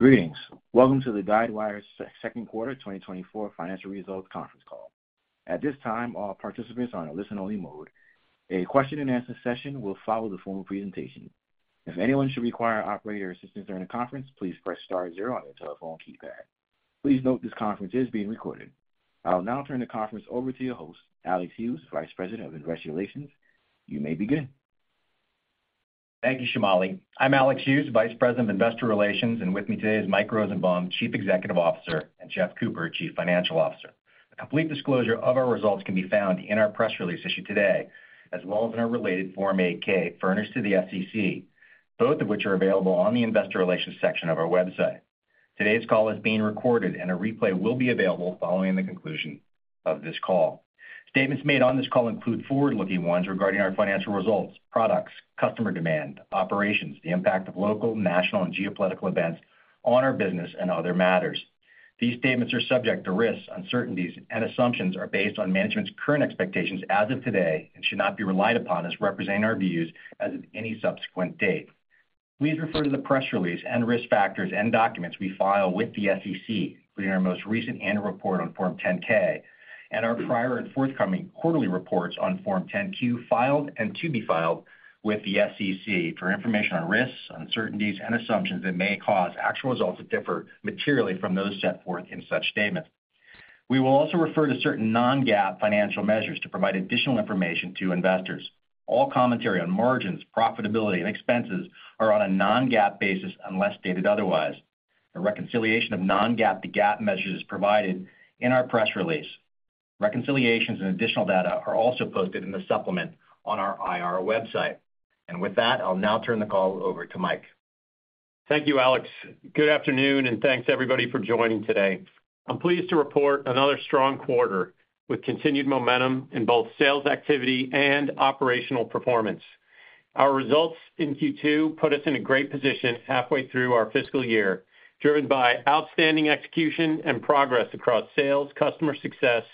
Greetings. Welcome to the Guidewire's second quarter 2024 financial results conference call. At this time, all participants are on a listen-only mode. A question-and-answer session will follow the formal presentation. If anyone should require operator assistance during the conference, please press star zero on your telephone keypad. Please note this conference is being recorded. I will now turn the conference over to your host, Alex Hughes, Vice President of Investor Relations. You may begin. Thank you, Shimali. I'm Alex Hughes, Vice President of Investor Relations, and with me today is Mike Rosenbaum, Chief Executive Officer, and Jeff Cooper, Chief Financial Officer. A complete disclosure of our results can be found in our press release issued today, as well as in our related Form 8-K furnished to the SEC, both of which are available on the Investor Relations section of our website. Today's call is being recorded, and a replay will be available following the conclusion of this call. Statements made on this call include forward-looking ones regarding our financial results, products, customer demand, operations, the impact of local, national, and geopolitical events on our business, and other matters. These statements are subject to risks, uncertainties, and assumptions, are based on management's current expectations as of today and should not be relied upon as representing our views as of any subsequent date. Please refer to the press release and risk factors and documents we file with the SEC, including our most recent annual report on Form 10-K and our prior and forthcoming quarterly reports on Form 10-Q filed and to be filed with the SEC for information on risks, uncertainties, and assumptions that may cause actual results to differ materially from those set forth in such statements. We will also refer to certain non-GAAP financial measures to provide additional information to investors. All commentary on margins, profitability, and expenses are on a non-GAAP basis unless stated otherwise. A reconciliation of non-GAAP to GAAP measures is provided in our press release. Reconciliations and additional data are also posted in the supplement on our IR website. With that, I'll now turn the call over to Mike. Thank you, Alex. Good afternoon, and thanks, everybody, for joining today. I'm pleased to report another strong quarter with continued momentum in both sales activity and operational performance. Our results in Q2 put us in a great position halfway through our fiscal year, driven by outstanding execution and progress across sales, customer success,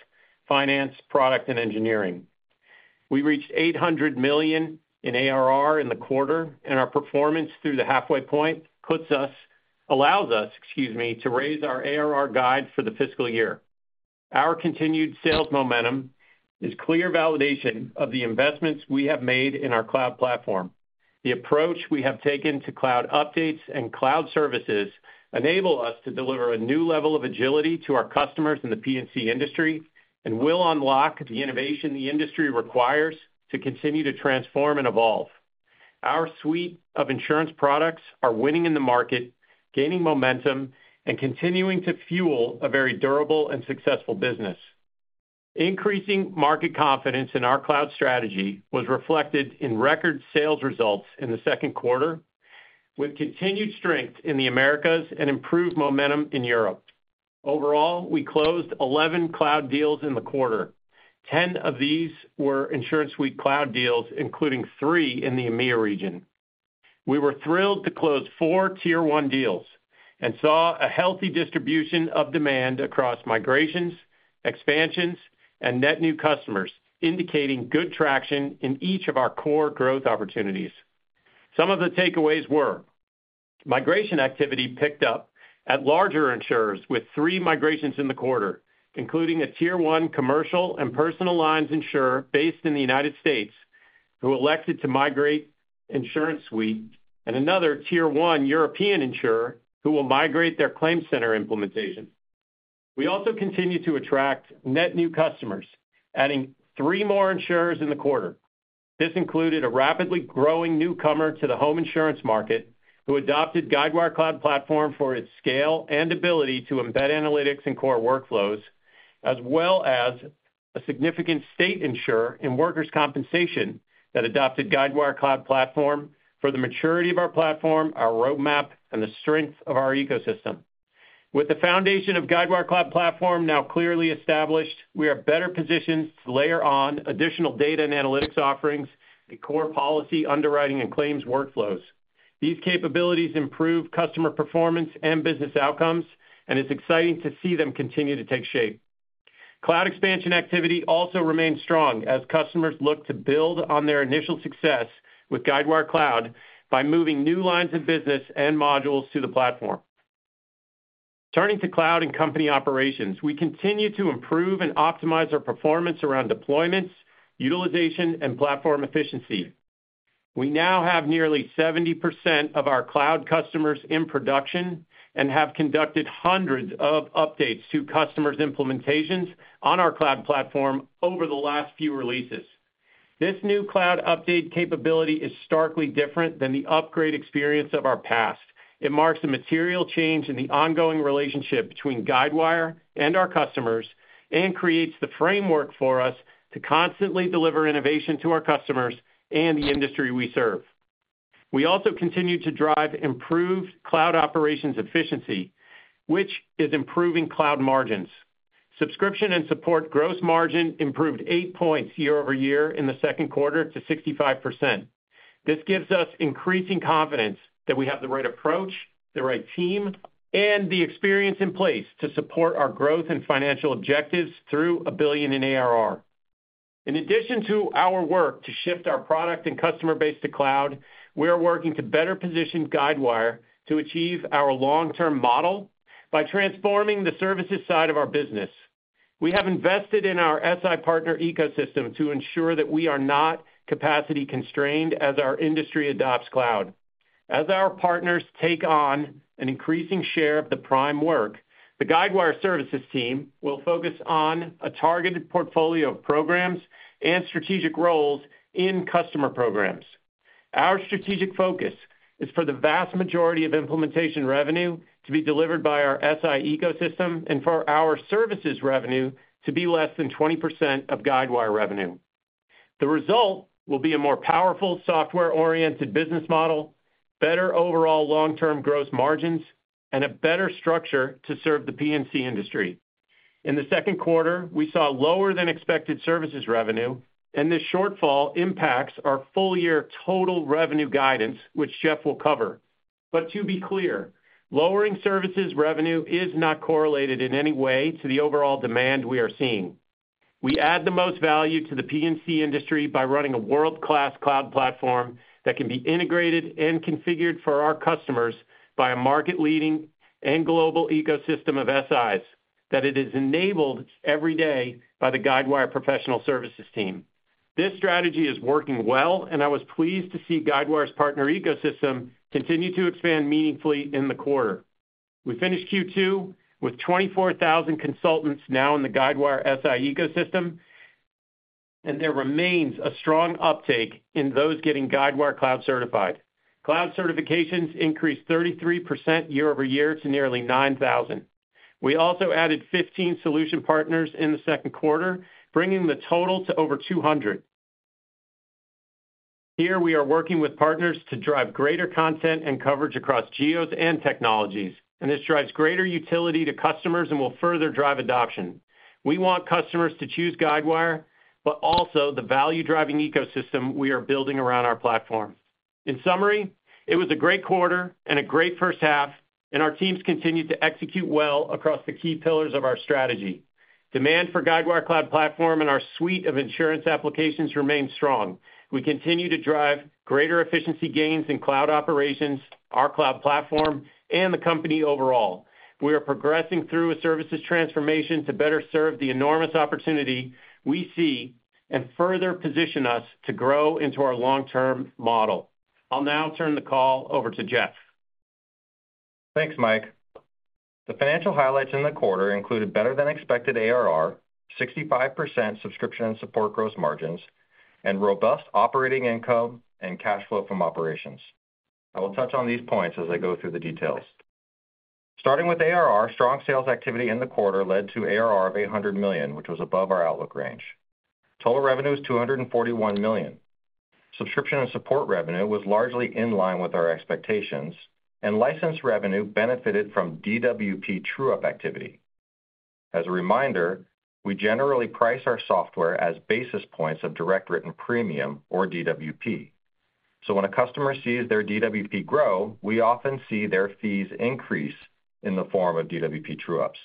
finance, product, and engineering. We reached $800 million in ARR in the quarter, and our performance through the halfway point allows us, excuse me, to raise our ARR guide for the fiscal year. Our continued sales momentum is clear validation of the investments we have made in our cloud platform. The approach we have taken to cloud updates and cloud services enables us to deliver a new level of agility to our customers in the P&C industry and will unlock the innovation the industry requires to continue to transform and evolve. Our suite of insurance products are winning in the market, gaining momentum, and continuing to fuel a very durable and successful business. Increasing market confidence in our cloud strategy was reflected in record sales results in the second quarter, with continued strength in the Americas and improved momentum in Europe. Overall, we closed 11 cloud deals in the quarter. 10 of these were InsuranceSuite cloud deals, including three in the EMEA region. We were thrilled to close four Tier one deals and saw a healthy distribution of demand across migrations, expansions, and net new customers, indicating good traction in each of our core growth opportunities. Some of the takeaways were: migration activity picked up at larger insurers with three migrations in the quarter, including a Tier one commercial and personal lines insurer based in the United States who elected to migrate InsuranceSuite, and another Tier one European insurer who will migrate their ClaimCenter implementation. We also continued to attract net new customers, adding three more insurers in the quarter. This included a rapidly growing newcomer to the home insurance market who adopted Guidewire Cloud Platform for its scale and ability to embed analytics and core workflows, as well as a significant state insurer in workers' compensation that adopted Guidewire Cloud Platform for the maturity of our platform, our roadmap, and the strength of our ecosystem. With the foundation of Guidewire Cloud Platform now clearly established, we are better positioned to layer on additional data and analytics offerings and core policy underwriting and claims workflows. These capabilities improve customer performance and business outcomes, and it's exciting to see them continue to take shape. Cloud expansion activity also remains strong as customers look to build on their initial success with Guidewire Cloud by moving new lines of business and modules to the platform. Turning to cloud and company operations, we continue to improve and optimize our performance around deployments, utilization, and platform efficiency. We now have nearly 70% of our cloud customers in production and have conducted hundreds of updates to customers' implementations on our cloud platform over the last few releases. This new cloud update capability is starkly different than the upgrade experience of our past. It marks a material change in the ongoing relationship between Guidewire and our customers and creates the framework for us to constantly deliver innovation to our customers and the industry we serve. We also continue to drive improved cloud operations efficiency, which is improving cloud margins. Subscription and support gross margin improved 8 points year-over-year in the second quarter to 65%. This gives us increasing confidence that we have the right approach, the right team, and the experience in place to support our growth and financial objectives through $1 billion in ARR. In addition to our work to shift our product and customer base to cloud, we are working to better position Guidewire to achieve our long-term model by transforming the services side of our business. We have invested in our SI partner ecosystem to ensure that we are not capacity constrained as our industry adopts cloud. As our partners take on an increasing share of the prime work, the Guidewire services team will focus on a targeted portfolio of programs and strategic roles in customer programs. Our strategic focus is for the vast majority of implementation revenue to be delivered by our SI ecosystem and for our services revenue to be less than 20% of Guidewire revenue. The result will be a more powerful software-oriented business model, better overall long-term gross margins, and a better structure to serve the P&C industry. In the second quarter, we saw lower-than-expected services revenue, and this shortfall impacts our full-year total revenue guidance, which Jeff will cover. But to be clear, lowering services revenue is not correlated in any way to the overall demand we are seeing. We add the most value to the P&C industry by running a world-class cloud platform that can be integrated and configured for our customers by a market-leading and global ecosystem of SIs that it is enabled every day by the Guidewire professional services team. This strategy is working well, and I was pleased to see Guidewire's partner ecosystem continue to expand meaningfully in the quarter. We finished Q2 with 24,000 consultants now in the Guidewire SI ecosystem, and there remains a strong uptake in those getting Guidewire Cloud certified. Cloud certifications increased 33% year-over-year to nearly 9,000. We also added 15 solution partners in the second quarter, bringing the total to over 200. Here, we are working with partners to drive greater content and coverage across geos and technologies, and this drives greater utility to customers and will further drive adoption. We want customers to choose Guidewire, but also the value-driving ecosystem we are building around our platform. In summary, it was a great quarter and a great first half, and our teams continue to execute well across the key pillars of our strategy. Demand for Guidewire Cloud Platform and our suite of insurance applications remains strong. We continue to drive greater efficiency gains in cloud operations, our cloud platform, and the company overall. We are progressing through a services transformation to better serve the enormous opportunity we see and further position us to grow into our long-term model. I'll now turn the call over to Jeff. Thanks, Mike. The financial highlights in the quarter included better-than-expected ARR, 65% subscription and support gross margins, and robust operating income and cash flow from operations. I will touch on these points as I go through the details. Starting with ARR, strong sales activity in the quarter led to ARR of $800 million, which was above our outlook range. Total revenue was $241 million. Subscription and support revenue was largely in line with our expectations, and license revenue benefited from DWP true-up activity. As a reminder, we generally price our software as basis points of direct written premium or DWP. So when a customer sees their DWP grow, we often see their fees increase in the form of DWP true-ups.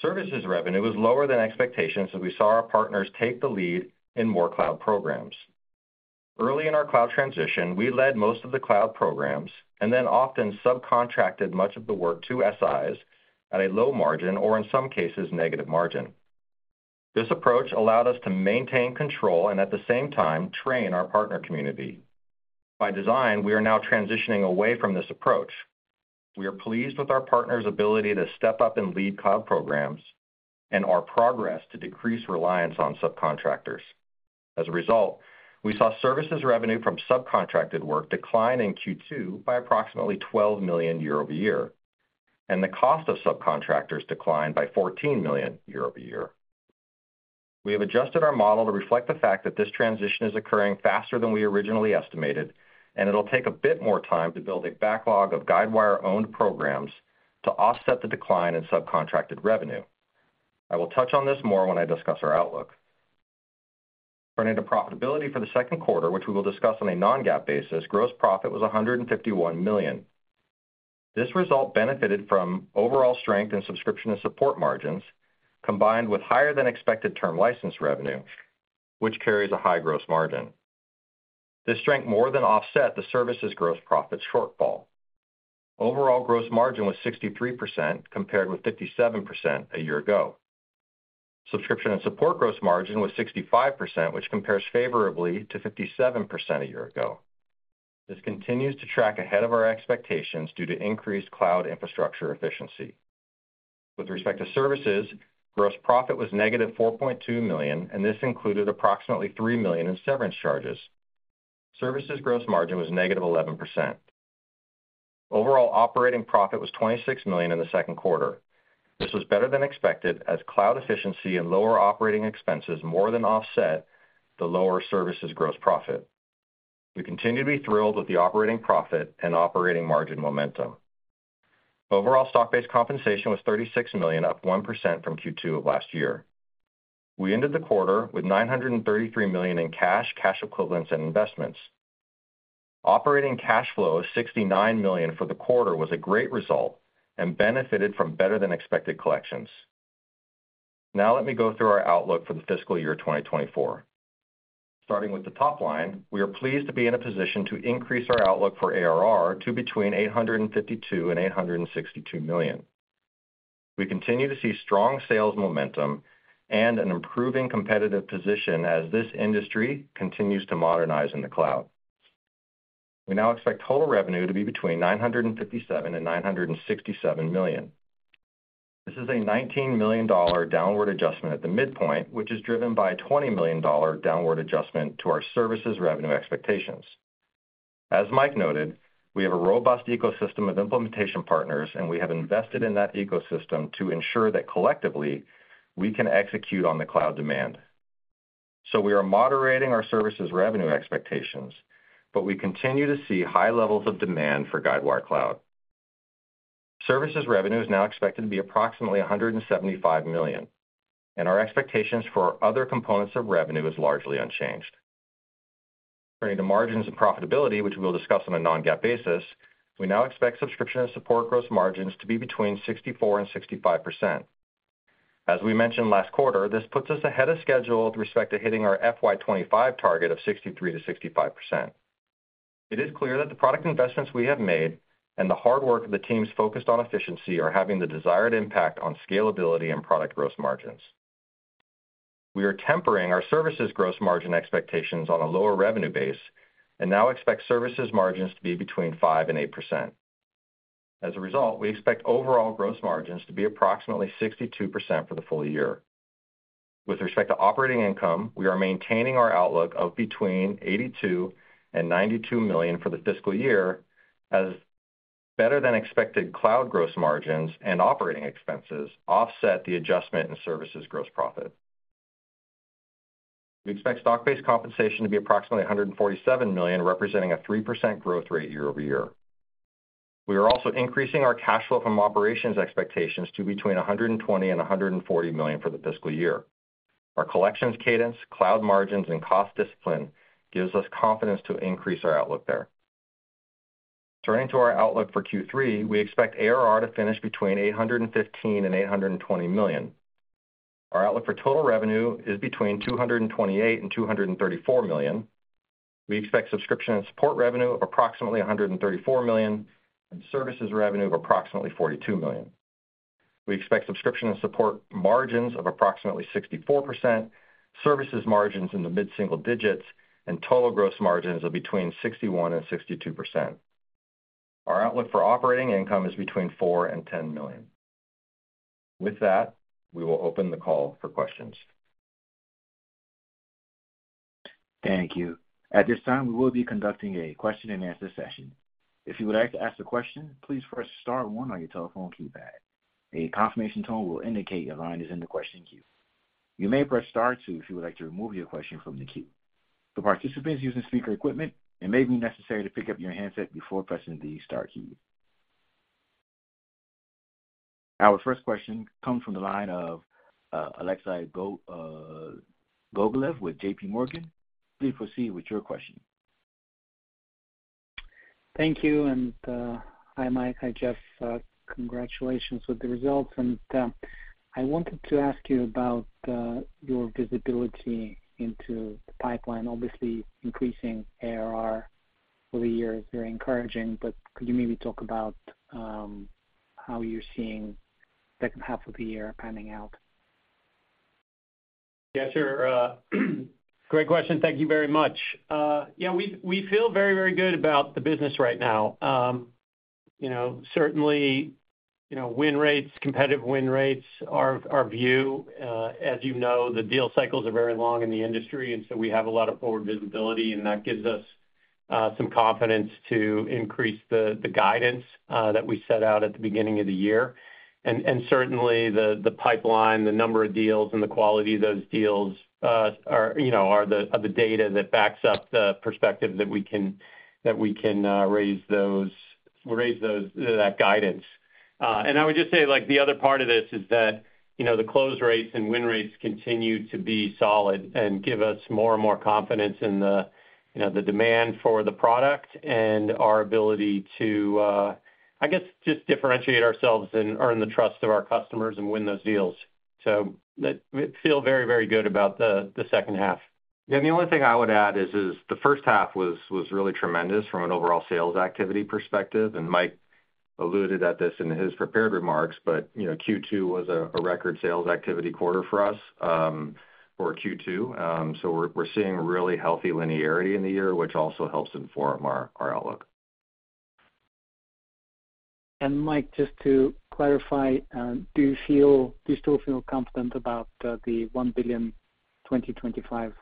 Services revenue was lower than expectations as we saw our partners take the lead in more cloud programs. Early in our cloud transition, we led most of the cloud programs and then often subcontracted much of the work to SIs at a low margin or, in some cases, negative margin. This approach allowed us to maintain control and, at the same time, train our partner community. By design, we are now transitioning away from this approach. We are pleased with our partners' ability to step up and lead cloud programs and our progress to decrease reliance on subcontractors. As a result, we saw services revenue from subcontracted work decline in Q2 by approximately $12 million year-over-year, and the cost of subcontractors decline by $14 million year-over-year. We have adjusted our model to reflect the fact that this transition is occurring faster than we originally estimated, and it'll take a bit more time to build a backlog of Guidewire-owned programs to offset the decline in subcontracted revenue. I will touch on this more when I discuss our outlook. Turning to profitability for the second quarter, which we will discuss on a non-GAAP basis, gross profit was $151 million. This result benefited from overall strength in subscription and support margins combined with higher-than-expected term license revenue, which carries a high gross margin. This strength more than offset the services gross profit shortfall. Overall gross margin was 63% compared with 57% a year ago. Subscription and support gross margin was 65%, which compares favorably to 57% a year ago. This continues to track ahead of our expectations due to increased cloud infrastructure efficiency. With respect to services, gross profit was -$4.2 million, and this included approximately $3 million in severance charges. Services gross margin was -11%. Overall operating profit was $26 million in the second quarter. This was better than expected as cloud efficiency and lower operating expenses more than offset the lower services gross profit. We continue to be thrilled with the operating profit and operating margin momentum. Overall stock-based compensation was $36 million, up 1% from Q2 of last year. We ended the quarter with $933 million in cash, cash equivalents, and investments. Operating cash flow of $69 million for the quarter was a great result and benefited from better-than-expected collections. Now let me go through our outlook for the fiscal year 2024. Starting with the top line, we are pleased to be in a position to increase our outlook for ARR to between $852 million and $862 million. We continue to see strong sales momentum and an improving competitive position as this industry continues to modernize in the cloud. We now expect total revenue to be between $957 million and $967 million. This is a $19 million downward adjustment at the midpoint, which is driven by a $20 million downward adjustment to our services revenue expectations. As Mike noted, we have a robust ecosystem of implementation partners, and we have invested in that ecosystem to ensure that collectively we can execute on the cloud demand. So we are moderating our services revenue expectations, but we continue to see high levels of demand for Guidewire Cloud. Services revenue is now expected to be approximately $175 million, and our expectations for other components of revenue are largely unchanged. Turning to margins and profitability, which we will discuss on a non-GAAP basis, we now expect subscription and support gross margins to be between 64% - 65%. As we mentioned last quarter, this puts us ahead of schedule with respect to hitting our FY25 target of 63% - 65%. It is clear that the product investments we have made and the hard work of the teams focused on efficiency are having the desired impact on scalability and product gross margins. We are tempering our services gross margin expectations on a lower revenue base and now expect services margins to be between 5%-8%. As a result, we expect overall gross margins to be approximately 62% for the full year. With respect to operating income, we are maintaining our outlook of between $82 million and $92 million for the fiscal year as better-than-expected cloud gross margins and operating expenses offset the adjustment in services gross profit. We expect stock-based compensation to be approximately $147 million, representing a 3% year-over-year growth rate. We are also increasing our cash flow from operations expectations to between $120 million and $140 million for the fiscal year. Our collections cadence, cloud margins, and cost discipline give us confidence to increase our outlook there. Turning to our outlook for Q3, we expect ARR to finish between $815 million and $820 million. Our outlook for total revenue is between $228 million and $234 million. We expect subscription and support revenue of approximately $134 million and services revenue of approximately $42 million. We expect subscription and support margins of approximately 64%, services margins in the mid-single digits, and total gross margins of between 61%-62%. Our outlook for operating income is between $4 million-$10 million. With that, we will open the call for questions. Thank you. At this time, we will be conducting a question-and-answer session. If you would like to ask a question, please press star one on your telephone keypad. A confirmation tone will indicate your line is in the question queue. You may press star two if you would like to remove your question from the queue. For participants using speaker equipment, it may be necessary to pick up your handset before pressing the star key. Our first question comes from the line of Alexei Gogolev with JPMorgan. Please proceed with your question. Thank you. Hi, Mike. Hi, Jeff. Congratulations with the results. I wanted to ask you about your visibility into the pipeline, obviously increasing ARR over the years. Very encouraging. Could you maybe talk about how you're seeing second half of the year panning out? Yeah, sure. Great question. Thank you very much. Yeah, we feel very, very good about the business right now. Certainly, win rates, competitive win rates, our view. As you know, the deal cycles are very long in the industry, and so we have a lot of forward visibility, and that gives us some confidence to increase the guidance that we set out at the beginning of the year. Certainly, the pipeline, the number of deals, and the quality of those deals are the data that backs up the perspective that we can raise that guidance. I would just say the other part of this is that the close rates and win rates continue to be solid and give us more and more confidence in the demand for the product and our ability to, I guess, just differentiate ourselves and earn the trust of our customers and win those deals. So we feel very, very good about the second half. Yeah, and the only thing I would add is the first half was really tremendous from an overall sales activity perspective. And Mike alluded at this in his prepared remarks, but Q2 was a record sales activity quarter for us for Q2. So we're seeing really healthy linearity in the year, which also helps inform our outlook. Mike, just to clarify, do you still feel confident about the $1 billion 2025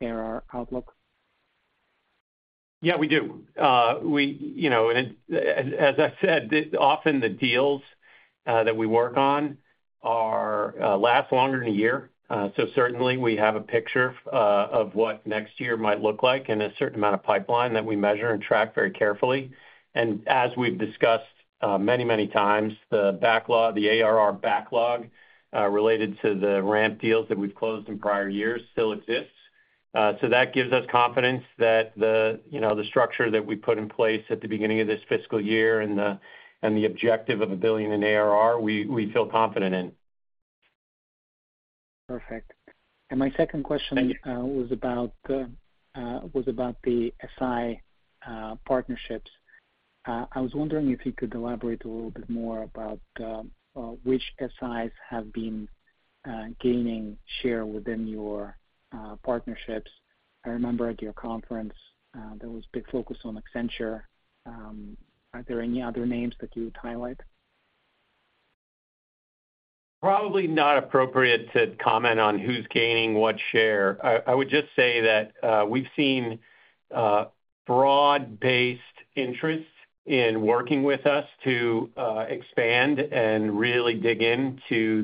ARR outlook? Yeah, we do. And as I said, often the deals that we work on last longer in a year. So certainly, we have a picture of what next year might look like and a certain amount of pipeline that we measure and track very carefully. And as we've discussed many, many times, the ARR backlog related to the ramp deals that we've closed in prior years still exists. So that gives us confidence that the structure that we put in place at the beginning of this fiscal year and the objective of $1 billion in ARR, we feel confident in. Perfect. And my second question was about the SI partnerships. I was wondering if you could elaborate a little bit more about which SIs have been gaining share within your partnerships. I remember at your conference, there was big focus on Accenture. Are there any other names that you would highlight? Probably not appropriate to comment on who's gaining what share. I would just say that we've seen broad-based interest in working with us to expand and really dig into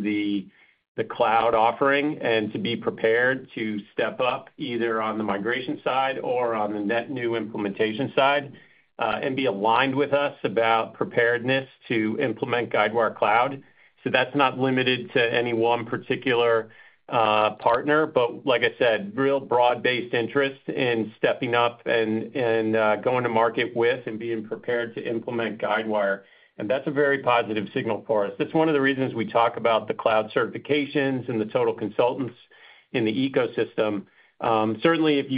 the cloud offering and to be prepared to step up either on the migration side or on the net new implementation side and be aligned with us about preparedness to implement Guidewire Cloud. So that's not limited to any one particular partner, but like I said, real broad-based interest in stepping up and going to market with and being prepared to implement Guidewire. And that's a very positive signal for us. That's one of the reasons we talk about the cloud certifications and the total consultants in the ecosystem. Certainly, if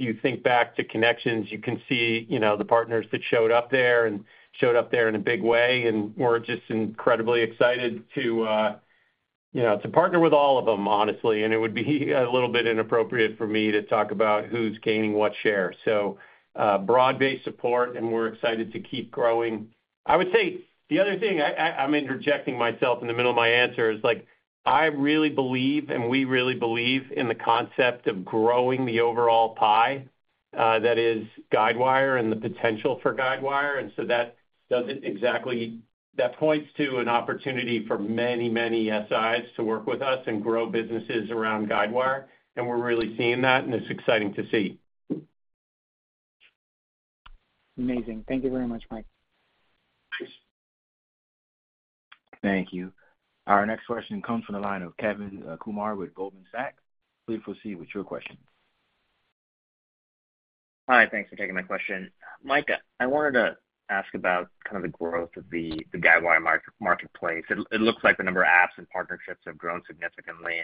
you think back to Connections, you can see the partners that showed up there and showed up there in a big way and were just incredibly excited to partner with all of them, honestly. And it would be a little bit inappropriate for me to talk about who's gaining what share. So broad-based support, and we're excited to keep growing. I would say the other thing I'm interjecting myself in the middle of my answer is I really believe, and we really believe, in the concept of growing the overall pie that is Guidewire and the potential for Guidewire. And so that points to an opportunity for many, many SIs to work with us and grow businesses around Guidewire. And we're really seeing that, and it's exciting to see. Amazing. Thank you very much, Mike. Thanks. Thank you. Our next question comes from the line of Kevin Kumar with Goldman Sachs. Please proceed with your question. Hi. Thanks for taking my question. Mike, I wanted to ask about kind of the growth of the Guidewire Marketplace. It looks like the number of apps and partnerships have grown significantly.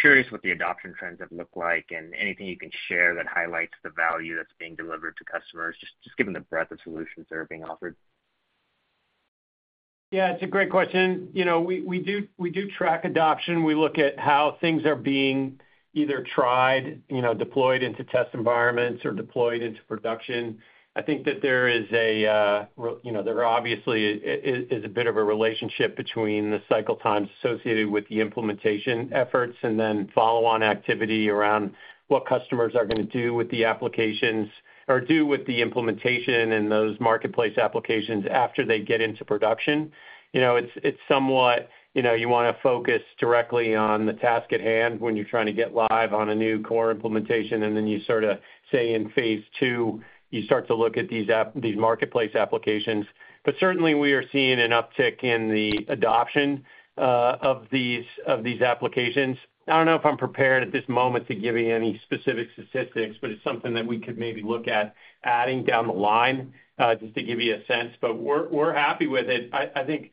Curious what the adoption trends have looked like and anything you can share that highlights the value that's being delivered to customers, just given the breadth of solutions that are being offered. Yeah, it's a great question. We do track adoption. We look at how things are being either tried, deployed into test environments, or deployed into production. I think that there obviously is a bit of a relationship between the cycle times associated with the implementation efforts and then follow-on activity around what customers are going to do with the applications or do with the implementation and those marketplace applications after they get into production. It's somewhat you want to focus directly on the task at hand when you're trying to get live on a new core implementation, and then you sort of say in phase two, you start to look at these marketplace applications. But certainly, we are seeing an uptick in the adoption of these applications. I don't know if I'm prepared at this moment to give you any specific statistics, but it's something that we could maybe look at adding down the line just to give you a sense. But we're happy with it. I think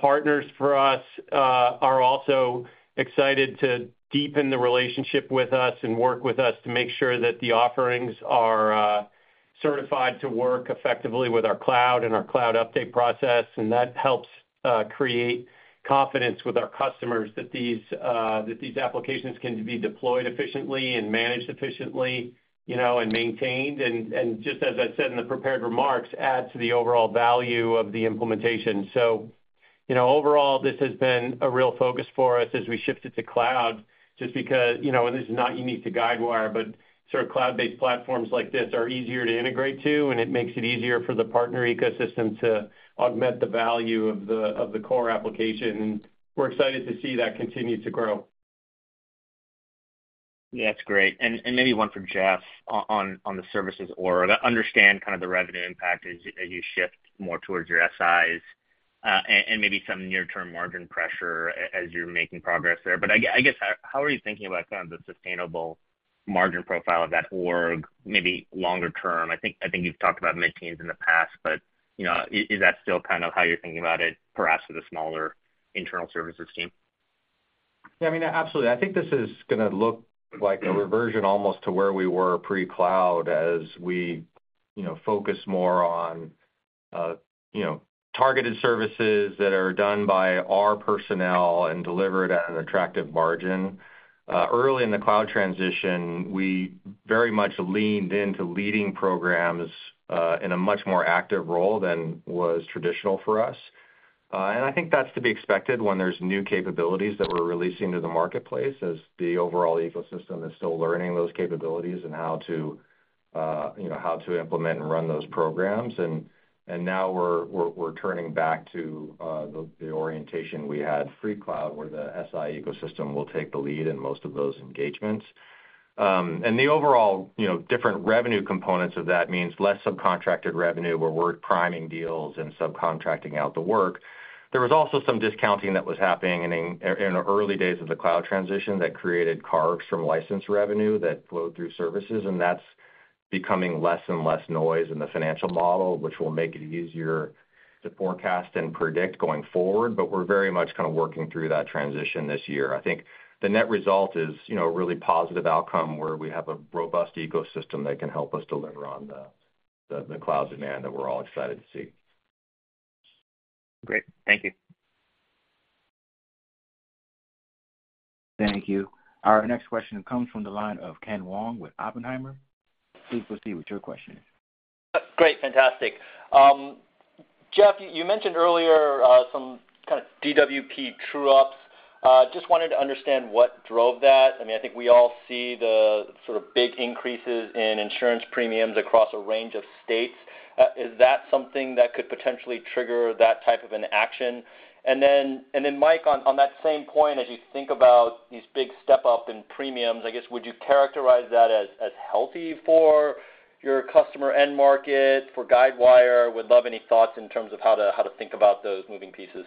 partners for us are also excited to deepen the relationship with us and work with us to make sure that the offerings are certified to work effectively with our cloud and our cloud update process. And that helps create confidence with our customers that these applications can be deployed efficiently and managed efficiently and maintained. And just as I said in the prepared remarks, add to the overall value of the implementation. So overall, this has been a real focus for us as we shifted to cloud just because, and this is not unique to Guidewire, but sort of cloud-based platforms like this are easier to integrate to, and it makes it easier for the partner ecosystem to augment the value of the core application. And we're excited to see that continue to grow. Yeah, that's great. And maybe one for Jeff on the services org. I understand kind of the revenue impact as you shift more towards your SIs and maybe some near-term margin pressure as you're making progress there. But I guess, how are you thinking about kind of the sustainable margin profile of that org, maybe longer term? I think you've talked about mid-teens in the past, but is that still kind of how you're thinking about it perhaps for the smaller internal services team? Yeah, I mean, absolutely. I think this is going to look like a reversion almost to where we were pre-cloud as we focus more on targeted services that are done by our personnel and delivered at an attractive margin. Early in the cloud transition, we very much leaned into leading programs in a much more active role than was traditional for us. And I think that's to be expected when there's new capabilities that we're releasing to the marketplace as the overall ecosystem is still learning those capabilities and how to implement and run those programs. And now we're turning back to the orientation we had pre-cloud where the SI ecosystem will take the lead in most of those engagements. And the overall different revenue components of that means less subcontracted revenue where we're priming deals and subcontracting out the work. There was also some discounting that was happening in the early days of the cloud transition that created carves from license revenue that flowed through services. That's becoming less and less noise in the financial model, which will make it easier to forecast and predict going forward. But we're very much kind of working through that transition this year. I think the net result is a really positive outcome where we have a robust ecosystem that can help us deliver on the cloud demand that we're all excited to see. Great. Thank you. Thank you. Our next question comes from the line of Ken Wong with Oppenheimer. Please proceed with your question. Great. Fantastic. Jeff, you mentioned earlier some kind of DWP true-ups. Just wanted to understand what drove that. I mean, I think we all see the sort of big increases in insurance premiums across a range of states. Is that something that could potentially trigger that type of an action? And then, Mike, on that same point, as you think about these big step-up in premiums, I guess, would you characterize that as healthy for your customer end market, for Guidewire? Would love any thoughts in terms of how to think about those moving pieces.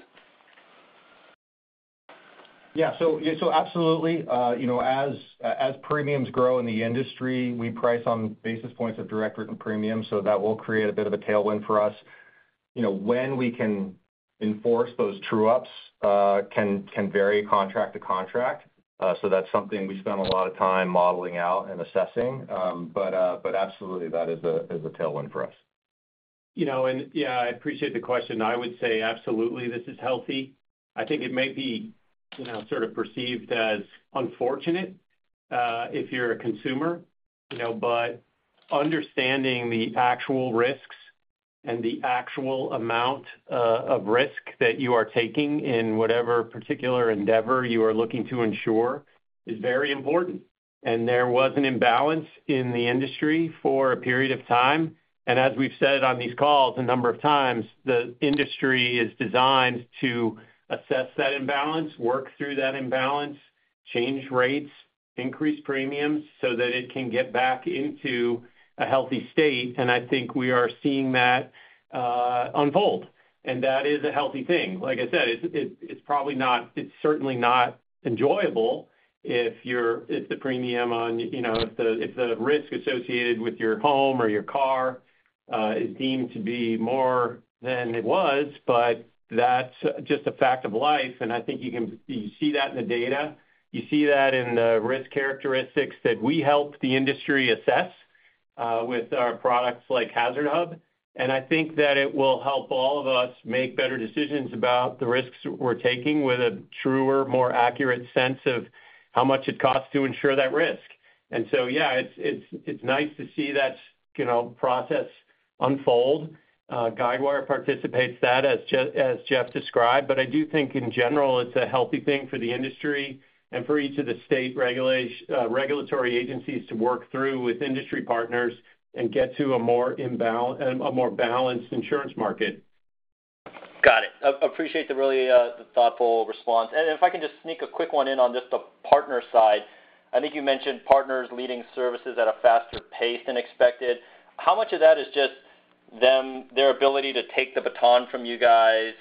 Yeah, so absolutely. As premiums grow in the industry, we price on basis points of direct written premiums, so that will create a bit of a tailwind for us. When we can enforce those true-ups can vary contract to contract. So that's something we spent a lot of time modeling out and assessing. But absolutely, that is a tailwind for us. Yeah, I appreciate the question. I would say absolutely, this is healthy. I think it may be sort of perceived as unfortunate if you're a consumer. But understanding the actual risks and the actual amount of risk that you are taking in whatever particular endeavor you are looking to ensure is very important. And there was an imbalance in the industry for a period of time. And as we've said on these calls a number of times, the industry is designed to assess that imbalance, work through that imbalance, change rates, increase premiums so that it can get back into a healthy state. And I think we are seeing that unfold. And that is a healthy thing. Like I said, it's certainly not enjoyable if the risk associated with your home or your car is deemed to be more than it was. But that's just a fact of life. And I think you see that in the data. You see that in the risk characteristics that we help the industry assess with our products like HazardHub. And I think that it will help all of us make better decisions about the risks we're taking with a truer, more accurate sense of how much it costs to ensure that risk. And so yeah, it's nice to see that process unfold. Guidewire participates that, as Jeff described. But I do think, in general, it's a healthy thing for the industry and for each of the state regulatory agencies to work through with industry partners and get to a more balanced insurance market. Got it. Appreciate the really thoughtful response. If I can just sneak a quick one in on just the partner side, I think you mentioned partners leading services at a faster pace than expected. How much of that is just their ability to take the baton from you guys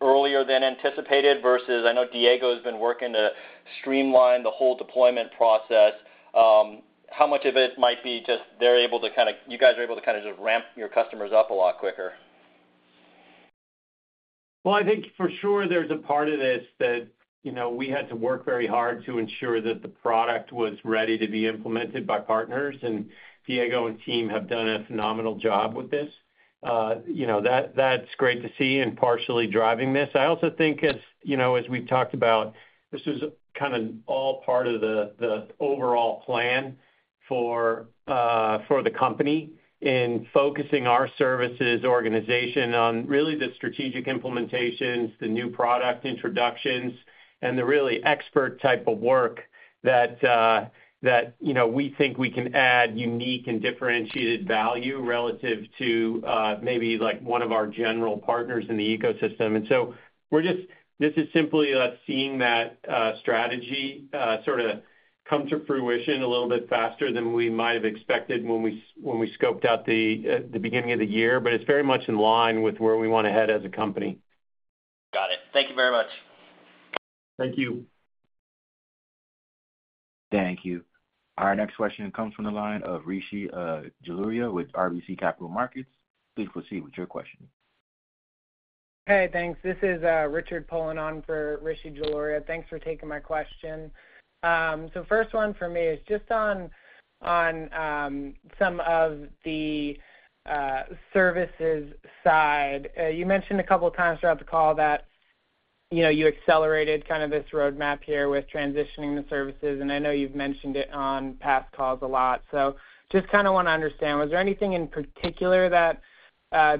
earlier than anticipated versus I know Diego has been working to streamline the whole deployment process. How much of it might be just they're able to kind of you guys are able to kind of just ramp your customers up a lot quicker? Well, I think for sure there's a part of this that we had to work very hard to ensure that the product was ready to be implemented by partners. Diego and team have done a phenomenal job with this. That's great to see and partially driving this. I also think, as we've talked about, this is kind of all part of the overall plan for the company in focusing our services organization on really the strategic implementations, the new product introductions, and the really expert type of work that we think we can add unique and differentiated value relative to maybe one of our general partners in the ecosystem. This is simply us seeing that strategy sort of come to fruition a little bit faster than we might have expected when we scoped out the beginning of the year. But it's very much in line with where we want to head as a company. Got it. Thank you very much. Thank you. Thank you. Our next question comes from the line of Rishi Jaluria with RBC Capital Markets. Please proceed with your question. Hey, thanks. This is Richard filling in for Rishi Jaluria. Thanks for taking my question. So first one for me is just on some of the services side. You mentioned a couple of times throughout the call that you accelerated kind of this roadmap here with transitioning the services. And I know you've mentioned it on past calls a lot. So just kind of want to understand, was there anything in particular that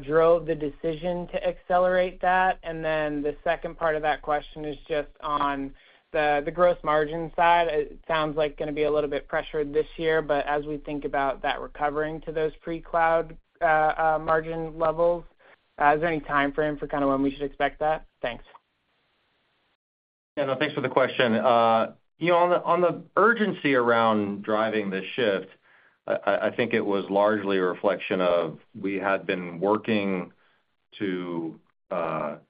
drove the decision to accelerate that? And then the second part of that question is just on the gross margin side. It sounds like going to be a little bit pressured this year. But as we think about that recovering to those pre-cloud margin levels, is there any timeframe for kind of when we should expect that? Thanks. Yeah, no, thanks for the question. On the urgency around driving this shift, I think it was largely a reflection of we had been working to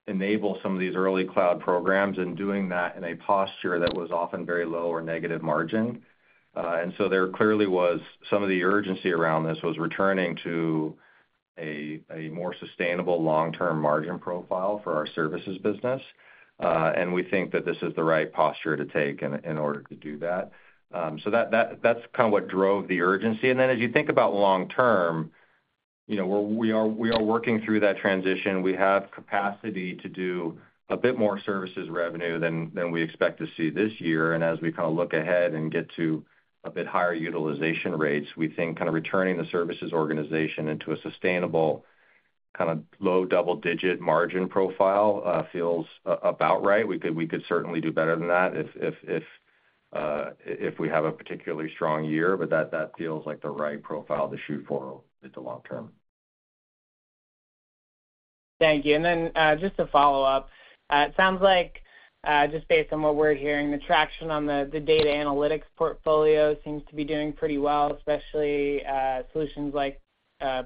enable some of these early cloud programs and doing that in a posture that was often very low or negative margin. And so there clearly was some of the urgency around this was returning to a more sustainable long-term margin profile for our services business. And we think that this is the right posture to take in order to do that. So that's kind of what drove the urgency. And then as you think about long-term, we are working through that transition. We have capacity to do a bit more services revenue than we expect to see this year. As we kind of look ahead and get to a bit higher utilization rates, we think kind of returning the services organization into a sustainable kind of low double-digit margin profile feels about right. We could certainly do better than that if we have a particularly strong year. But that feels like the right profile to shoot for a bit the long term. Thank you. And then just to follow up, it sounds like just based on what we're hearing, the traction on the data analytics portfolio seems to be doing pretty well, especially solutions like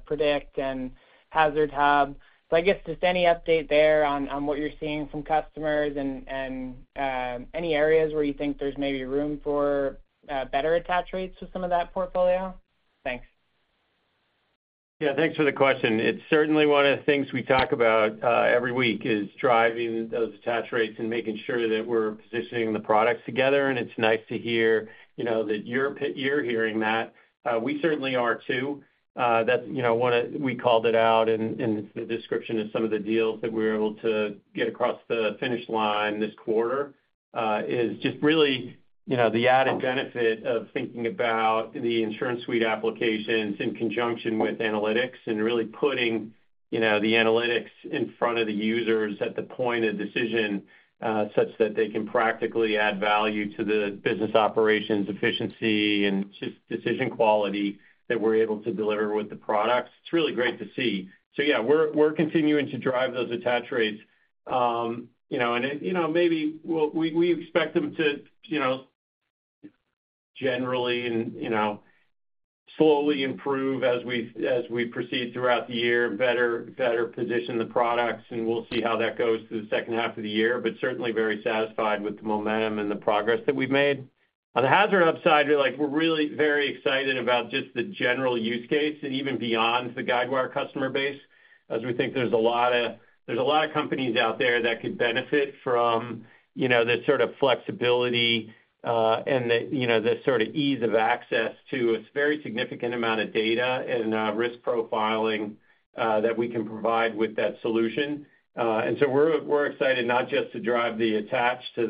Predict and HazardHub. So I guess just any update there on what you're seeing from customers and any areas where you think there's maybe room for better attach rates with some of that portfolio? Thanks. Yeah, thanks for the question. It's certainly one of the things we talk about every week is driving those attach rates and making sure that we're positioning the products together. And it's nice to hear that you're hearing that. We certainly are too. One of the things we called out, and it's the description of some of the deals that we were able to get across the finish line this quarter is just really the added benefit of thinking about the InsuranceSuite applications in conjunction with analytics and really putting the analytics in front of the users at the point of decision such that they can practically add value to the business operations efficiency and just decision quality that we're able to deliver with the products. It's really great to see. So yeah, we're continuing to drive those attach rates. And maybe we expect them to generally and slowly improve as we proceed throughout the year, better position the products, and we'll see how that goes through the second half of the year. But certainly very satisfied with the momentum and the progress that we've made. On the HazardHub side, we're really very excited about just the general use case and even beyond the Guidewire customer base, as we think there's a lot of there's a lot of companies out there that could benefit from this sort of flexibility and this sort of ease of access to a very significant amount of data and risk profiling that we can provide with that solution. And so we're excited not just to drive the attach to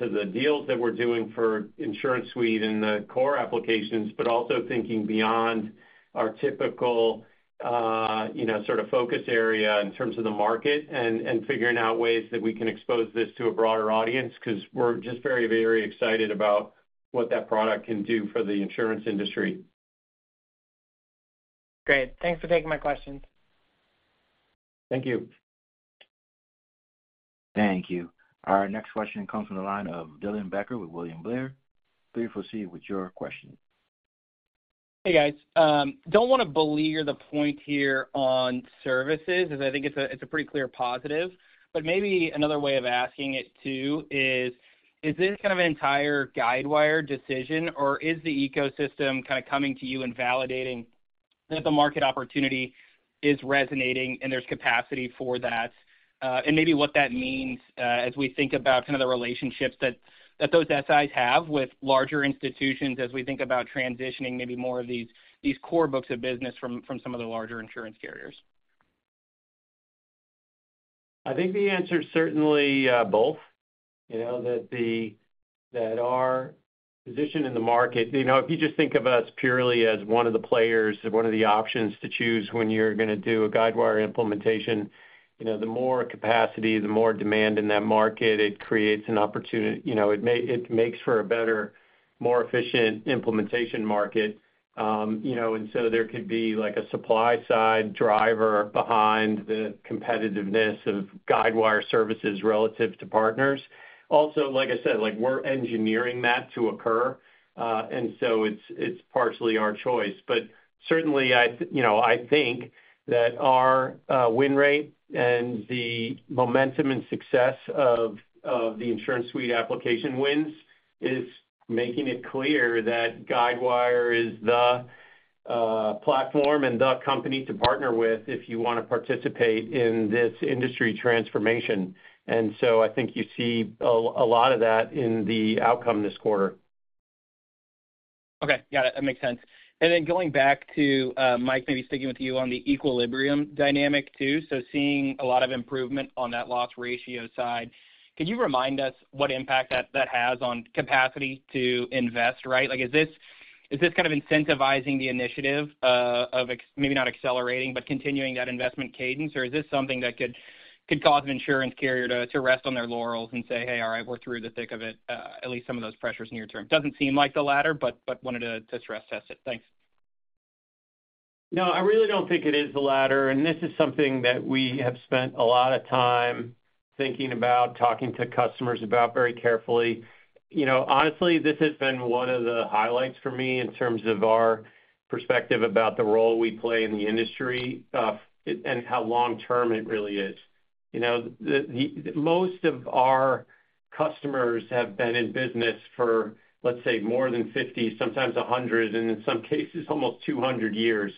the deals that we're doing for InsuranceSuite and the core applications, but also thinking beyond our typical sort of focus area in terms of the market and figuring out ways that we can expose this to a broader audience because we're just very, very excited about what that product can do for the insurance industry. Great. Thanks for taking my questions. Thank you. Thank you. Our next question comes from the line of Dylan Becker with William Blair. Please proceed with your question. Hey, guys. Don't want to belabor the point here on services because I think it's a pretty clear positive. But maybe another way of asking it too is, is this kind of an entire Guidewire decision, or is the ecosystem kind of coming to you and validating that the market opportunity is resonating and there's capacity for that? And maybe what that means as we think about kind of the relationships that those SIs have with larger institutions as we think about transitioning maybe more of these core books of business from some of the larger insurance carriers. I think the answer is certainly both, that our position in the market if you just think of us purely as one of the players, one of the options to choose when you're going to do a Guidewire implementation, the more capacity, the more demand in that market, it creates an opportunity. It makes for a better, more efficient implementation market. And so there could be a supply-side driver behind the competitiveness of Guidewire services relative to partners. Also, like I said, we're engineering that to occur. And so it's partially our choice. But certainly, I think that our win rate and the momentum and success of the InsuranceSuite application wins is making it clear that Guidewire is the platform and the company to partner with if you want to participate in this industry transformation. I think you see a lot of that in the outcome this quarter. Okay. Got it. That makes sense. And then going back to Mike, maybe sticking with you on the equilibrium dynamic too. So seeing a lot of improvement on that loss ratio side, can you remind us what impact that has on capacity to invest, right? Is this kind of incentivizing the initiative of maybe not accelerating, but continuing that investment cadence? Or is this something that could cause an insurance carrier to rest on their laurels and say, "Hey, all right, we're through the thick of it, at least some of those pressures near-term"? Doesn't seem like the latter, but wanted to stress-test it. Thanks. No, I really don't think it is the latter. And this is something that we have spent a lot of time thinking about, talking to customers about very carefully. Honestly, this has been one of the highlights for me in terms of our perspective about the role we play in the industry and how long-term it really is. Most of our customers have been in business for, let's say, more than 50, sometimes 100, and in some cases, almost 200 years.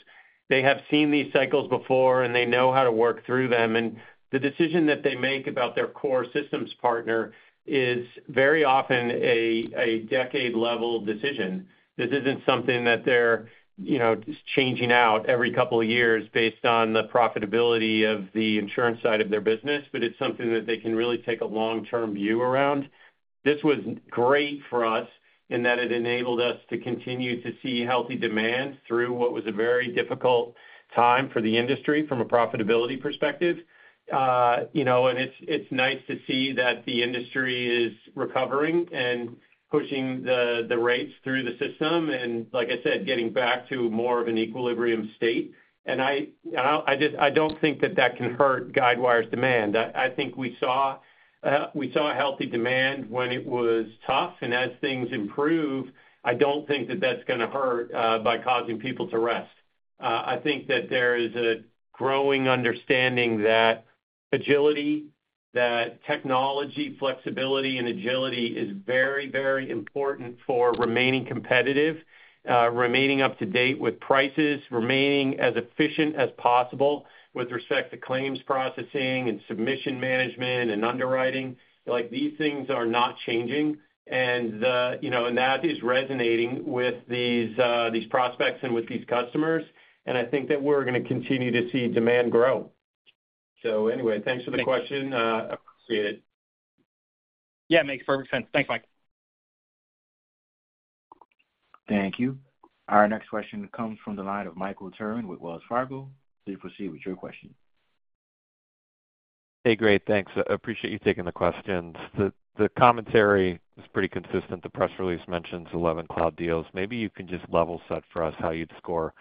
They have seen these cycles before, and they know how to work through them. And the decision that they make about their core systems partner is very often a decade-level decision. This isn't something that they're changing out every couple of years based on the profitability of the insurance side of their business. But it's something that they can really take a long-term view around. This was great for us in that it enabled us to continue to see healthy demand through what was a very difficult time for the industry from a profitability perspective. It's nice to see that the industry is recovering and pushing the rates through the system and, like I said, getting back to more of an equilibrium state. I don't think that that can hurt Guidewire's demand. I think we saw healthy demand when it was tough. As things improve, I don't think that that's going to hurt by causing people to rest. I think that there is a growing understanding that agility, that technology flexibility, and agility is very, very important for remaining competitive, remaining up-to-date with prices, remaining as efficient as possible with respect to claims processing and submission management and underwriting. These things are not changing. That is resonating with these prospects and with these customers. I think that we're going to continue to see demand grow. Anyway, thanks for the question. Appreciate it. Yeah, it makes perfect sense. Thanks, Mike. Thank you. Our next question comes from the line of Michael Turrin with Wells Fargo. Please proceed with your question. Hey, great. Thanks. Appreciate you taking the questions. The commentary is pretty consistent. The press release mentions 11 cloud deals. Maybe you can just level set for us how you'd score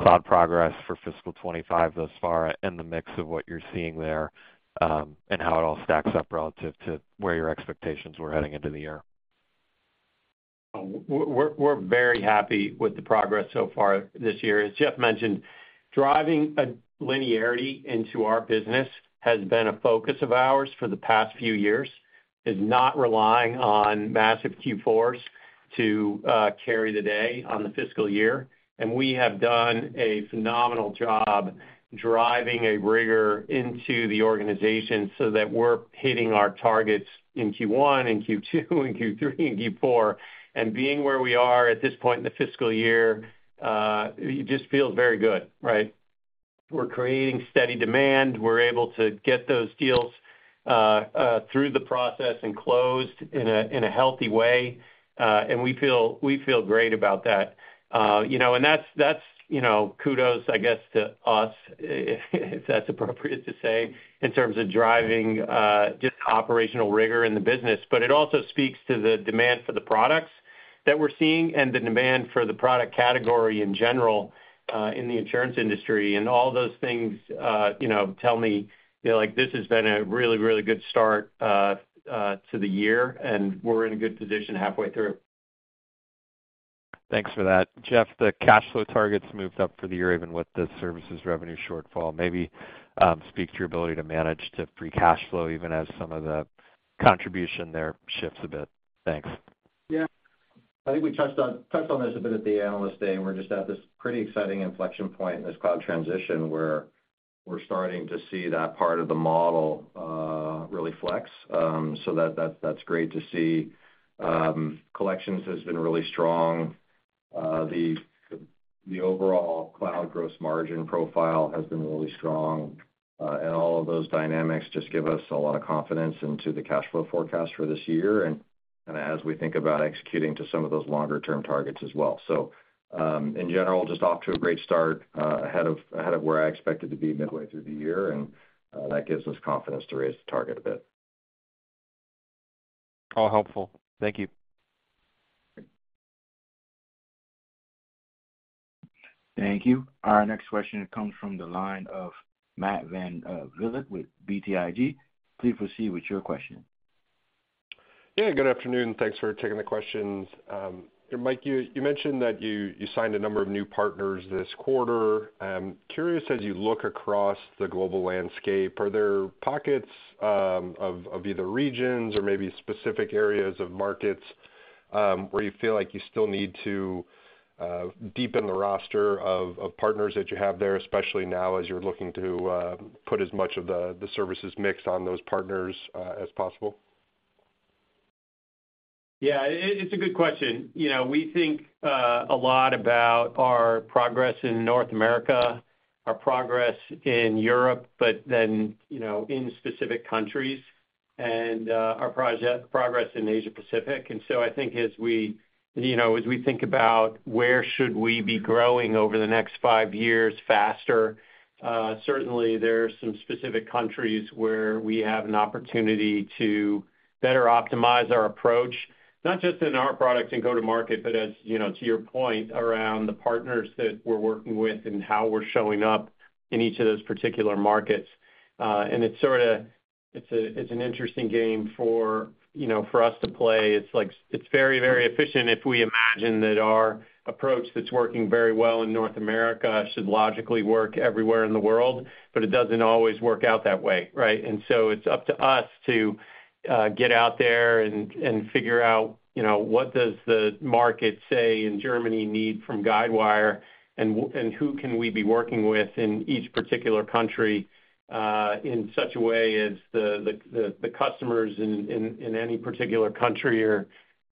cloud progress for fiscal 2025 thus far and the mix of what you're seeing there and how it all stacks up relative to where your expectations were heading into the year? We're very happy with the progress so far this year. As Jeff mentioned, driving linearity into our business has been a focus of ours for the past few years. It's not relying on massive Q4s to carry the day on the fiscal year. We have done a phenomenal job driving a rigor into the organization so that we're hitting our targets in Q1, in Q2, in Q3, in Q4. Being where we are at this point in the fiscal year, it just feels very good, right? We're creating steady demand. We're able to get those deals through the process and closed in a healthy way. We feel great about that. That's kudos, I guess, to us, if that's appropriate to say, in terms of driving just operational rigor in the business. But it also speaks to the demand for the products that we're seeing and the demand for the product category in general in the insurance industry. And all those things tell me this has been a really, really good start to the year, and we're in a good position halfway through. Thanks for that. Jeff, the cash flow targets moved up for the year even with the services revenue shortfall. Maybe speak to your ability to manage to free cash flow even as some of the contribution there shifts a bit. Thanks. Yeah. I think we touched on this a bit at the analyst day. We're just at this pretty exciting inflection point in this cloud transition where we're starting to see that part of the model really flex. So that's great to see. Collections has been really strong. The overall cloud gross margin profile has been really strong. And all of those dynamics just give us a lot of confidence into the cash flow forecast for this year and kind of as we think about executing to some of those longer-term targets as well. So in general, just off to a great start ahead of where I expected to be midway through the year. And that gives us confidence to raise the target a bit. All helpful. Thank you. Thank you. Our next question comes from the line of Matt VanVliet with BTIG. Please proceed with your question. Yeah. Good afternoon. Thanks for taking the questions. Mike, you mentioned that you signed a number of new partners this quarter. Curious, as you look across the global landscape, are there pockets of either regions or maybe specific areas of markets where you feel like you still need to deepen the roster of partners that you have there, especially now as you're looking to put as much of the services mix on those partners as possible? Yeah, it's a good question. We think a lot about our progress in North America, our progress in Europe, but then in specific countries, and our progress in Asia-Pacific. And so I think as we think about where should we be growing over the next five years faster, certainly, there are some specific countries where we have an opportunity to better optimize our approach, not just in our products and go-to-market, but as to your point, around the partners that we're working with and how we're showing up in each of those particular markets. And it's sort of an interesting game for us to play. It's very, very efficient if we imagine that our approach that's working very well in North America should logically work everywhere in the world. But it doesn't always work out that way, right? And so it's up to us to get out there and figure out what does the market, say, in Germany, need from Guidewire, and who can we be working with in each particular country in such a way as the customers in any particular country are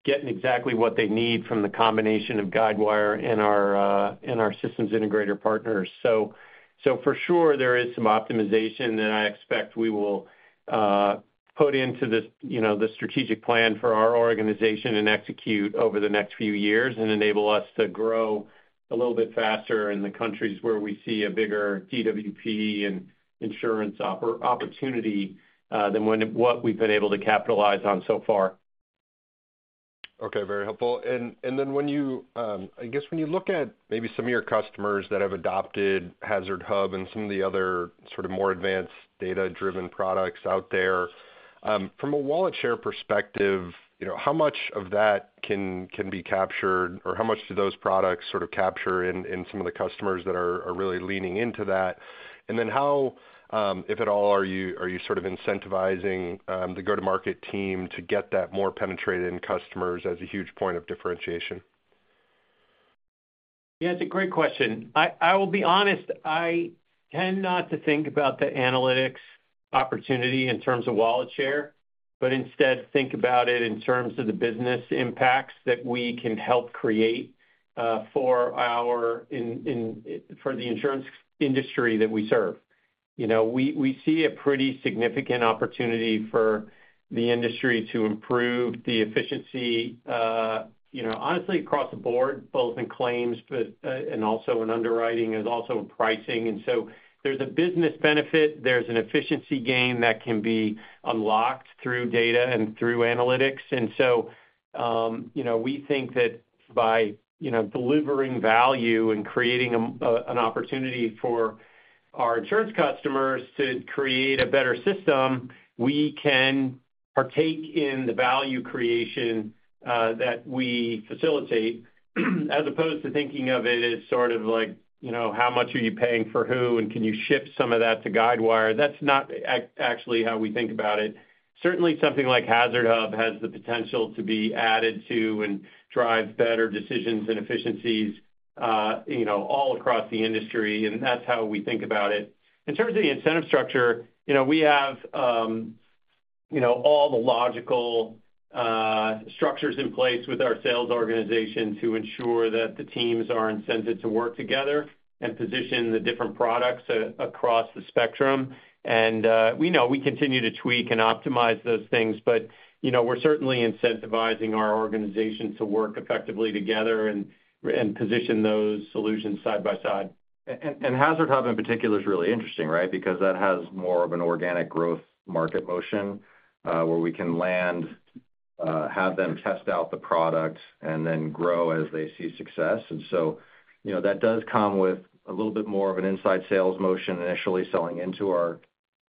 getting exactly what they need from the combination of Guidewire and our systems integrator partners. So for sure, there is some optimization that I expect we will put into the strategic plan for our organization and execute over the next few years and enable us to grow a little bit faster in the countries where we see a bigger DWP and insurance opportunity than what we've been able to capitalize on so far. Okay. Very helpful. And then I guess when you look at maybe some of your customers that have adopted HazardHub and some of the other sort of more advanced data-driven products out there, from a wallet share perspective, how much of that can be captured, or how much do those products sort of capture in some of the customers that are really leaning into that? And then how, if at all, are you sort of incentivizing the go-to-market team to get that more penetrated in customers as a huge point of differentiation? Yeah, it's a great question. I will be honest. I tend not to think about the analytics opportunity in terms of wallet share, but instead think about it in terms of the business impacts that we can help create for the insurance industry that we serve. We see a pretty significant opportunity for the industry to improve the efficiency, honestly, across the board, both in claims and also in underwriting as also in pricing. And so there's a business benefit. There's an efficiency gain that can be unlocked through data and through analytics. And so we think that by delivering value and creating an opportunity for our insurance customers to create a better system, we can partake in the value creation that we facilitate as opposed to thinking of it as sort of how much are you paying for who, and can you ship some of that to Guidewire? That's not actually how we think about it. Certainly, something like HazardHub has the potential to be added to and drive better decisions and efficiencies all across the industry. And that's how we think about it. In terms of the incentive structure, we have all the logical structures in place with our sales organizations to ensure that the teams are incented to work together and position the different products across the spectrum. And we continue to tweak and optimize those things. But we're certainly incentivizing our organization to work effectively together and position those solutions side by side. HazardHub, in particular, is really interesting, right, because that has more of an organic growth market motion where we can land, have them test out the product, and then grow as they see success. So that does come with a little bit more of an inside sales motion initially selling into our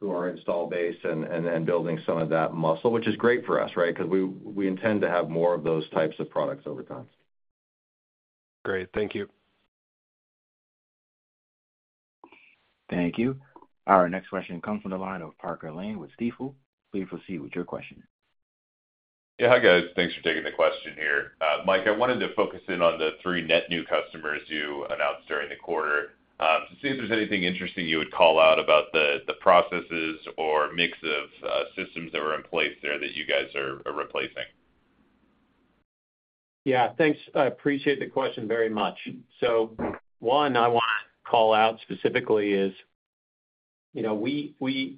install base and then building some of that muscle, which is great for us, right, because we intend to have more of those types of products over time. Great. Thank you. Thank you. Our next question comes from the line of Parker Lane with Stifel. Please proceed with your question. Yeah, hi, guys. Thanks for taking the question here. Mike, I wanted to focus in on the three net new customers you announced during the quarter to see if there's anything interesting you would call out about the processes or mix of systems that were in place there that you guys are replacing? Yeah, thanks. I appreciate the question very much. So one, I want to call out specifically is we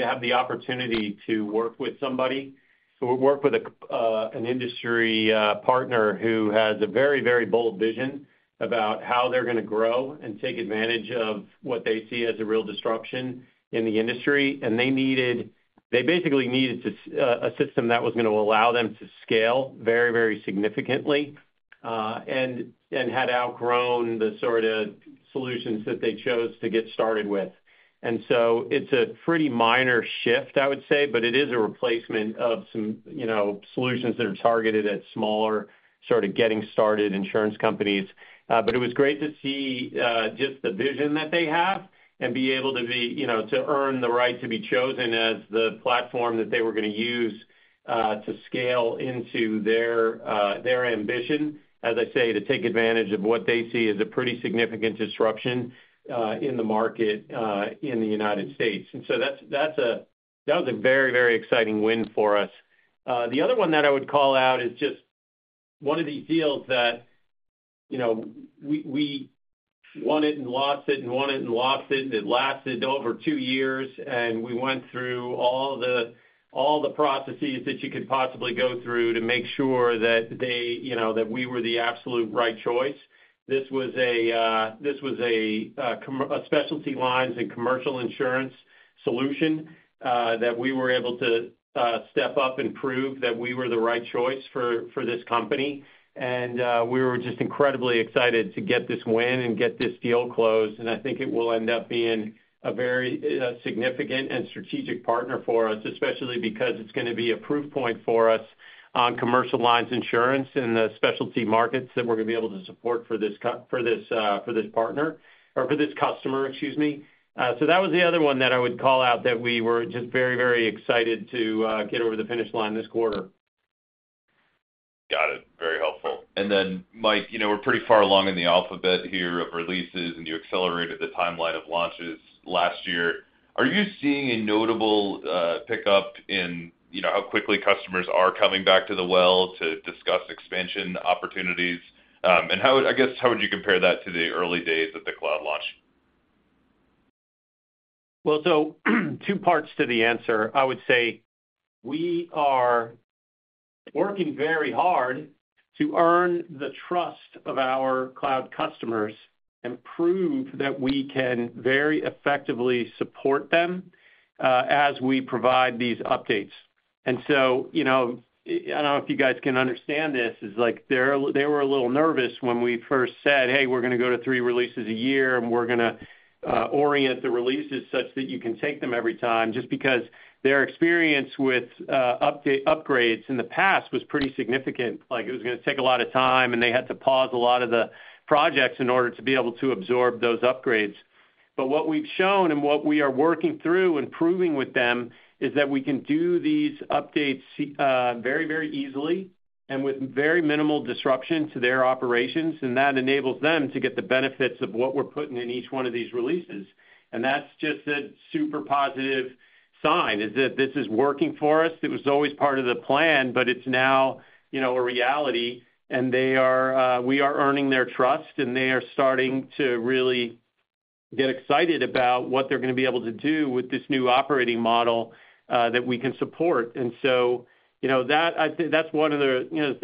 have the opportunity to work with somebody. So we work with an industry partner who has a very, very bold vision about how they're going to grow and take advantage of what they see as a real disruption in the industry. And they basically needed a system that was going to allow them to scale very, very significantly and had outgrown the sort of solutions that they chose to get started with. And so it's a pretty minor shift, I would say, but it is a replacement of some solutions that are targeted at smaller sort of getting-started insurance companies. But it was great to see just the vision that they have and be able to earn the right to be chosen as the platform that they were going to use to scale into their ambition, as I say, to take advantage of what they see as a pretty significant disruption in the market in the United States. And so that was a very, very exciting win for us. The other one that I would call out is just one of these deals that we wanted and lost it and wanted and lost it, and it lasted over two years. And we went through all the processes that you could possibly go through to make sure that we were the absolute right choice. This was a specialty lines and commercial insurance solution that we were able to step up and prove that we were the right choice for this company. And we were just incredibly excited to get this win and get this deal closed. And I think it will end up being a very significant and strategic partner for us, especially because it's going to be a proof point for us on commercial lines insurance and the specialty markets that we're going to be able to support for this partner or for this customer, excuse me. So that was the other one that I would call out that we were just very, very excited to get over the finish line this quarter. Got it. Very helpful. And then, Mike, we're pretty far along in the alphabet here of releases, and you accelerated the timeline of launches last year. Are you seeing a notable pickup in how quickly customers are coming back to the well to discuss expansion opportunities? And I guess, how would you compare that to the early days of the cloud launch? Well, so two parts to the answer. I would say we are working very hard to earn the trust of our cloud customers and prove that we can very effectively support them as we provide these updates. And so I don't know if you guys can understand this. They were a little nervous when we first said, "Hey, we're going to go to three releases a year, and we're going to orient the releases such that you can take them every time," just because their experience with upgrades in the past was pretty significant. It was going to take a lot of time, and they had to pause a lot of the projects in order to be able to absorb those upgrades. But what we've shown and what we are working through and proving with them is that we can do these updates very, very easily and with very minimal disruption to their operations. And that enables them to get the benefits of what we're putting in each one of these releases. And that's just a super positive sign, that this is working for us. It was always part of the plan, but it's now a reality. And we are earning their trust, and they are starting to really get excited about what they're going to be able to do with this new operating model that we can support. And so that's one of the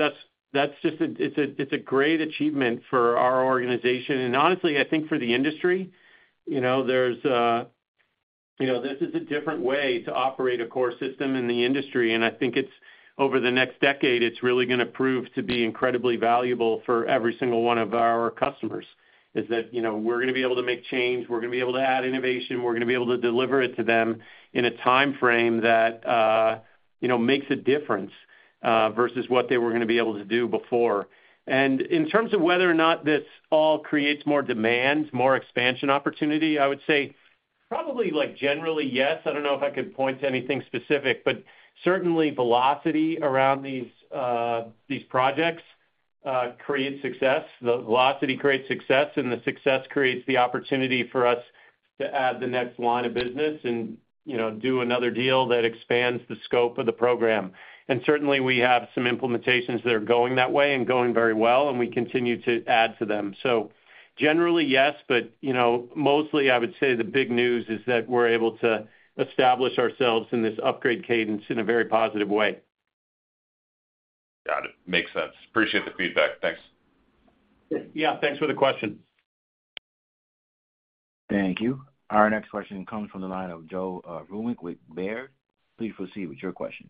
great achievements for our organization. And honestly, I think for the industry, this is a different way to operate a core system in the industry. I think over the next decade, it's really going to prove to be incredibly valuable for every single one of our customers, is that we're going to be able to make change. We're going to be able to add innovation. We're going to be able to deliver it to them in a timeframe that makes a difference versus what they were going to be able to do before. In terms of whether or not this all creates more demand, more expansion opportunity, I would say probably generally, yes. I don't know if I could point to anything specific, but certainly, velocity around these projects creates success. The velocity creates success, and the success creates the opportunity for us to add the next line of business and do another deal that expands the scope of the program. Certainly, we have some implementations that are going that way and going very well, and we continue to add to them. Generally, yes. Mostly, I would say the big news is that we're able to establish ourselves in this upgrade cadence in a very positive way. Got it. Makes sense. Appreciate the feedback. Thanks. Yeah. Thanks for the question. Thank you. Our next question comes from the line of Joe Raymond with Baird. Please proceed with your question.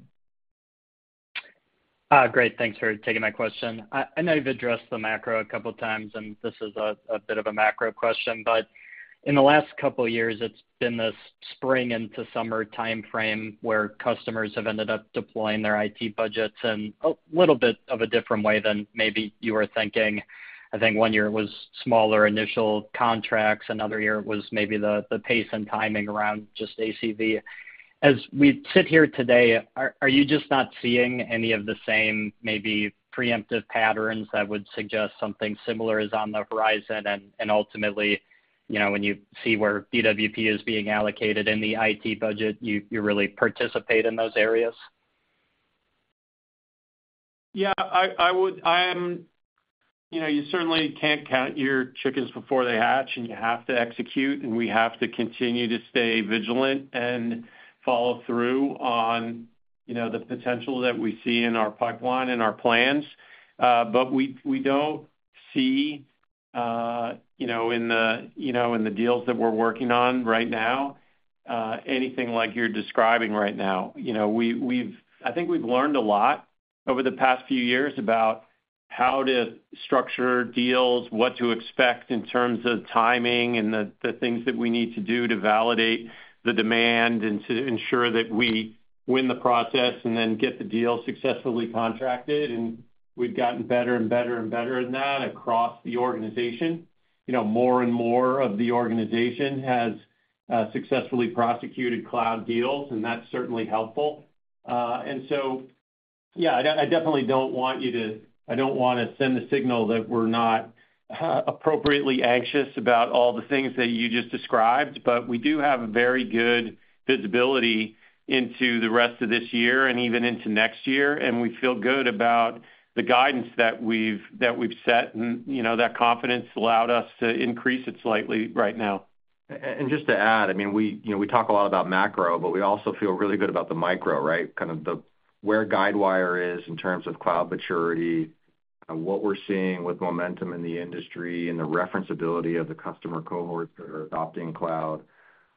Great. Thanks for taking my question. I know you've addressed the macro a couple of times, and this is a bit of a macro question. But in the last couple of years, it's been this spring into summer timeframe where customers have ended up deploying their IT budgets in a little bit of a different way than maybe you were thinking. I think one year, it was smaller initial contracts. Another year, it was maybe the pace and timing around just ACV. As we sit here today, are you just not seeing any of the same maybe preemptive patterns that would suggest something similar is on the horizon? And ultimately, when you see where DWP is being allocated in the IT budget, you really participate in those areas? Yeah, I would. You certainly can't count your chickens before they hatch, and you have to execute. And we have to continue to stay vigilant and follow through on the potential that we see in our pipeline and our plans. But we don't see in the deals that we're working on right now anything like you're describing right now. I think we've learned a lot over the past few years about how to structure deals, what to expect in terms of timing, and the things that we need to do to validate the demand and to ensure that we win the process and then get the deal successfully contracted. And we've gotten better and better and better in that across the organization. More and more of the organization has successfully prosecuted cloud deals, and that's certainly helpful. So yeah, I definitely don't want to send the signal that we're not appropriately anxious about all the things that you just described, but we do have a very good visibility into the rest of this year and even into next year. We feel good about the guidance that we've set and that confidence allowed us to increase it slightly right now. And just to add, I mean, we talk a lot about macro, but we also feel really good about the micro, right, kind of where Guidewire is in terms of cloud maturity, what we're seeing with momentum in the industry and the referenceability of the customer cohorts that are adopting cloud.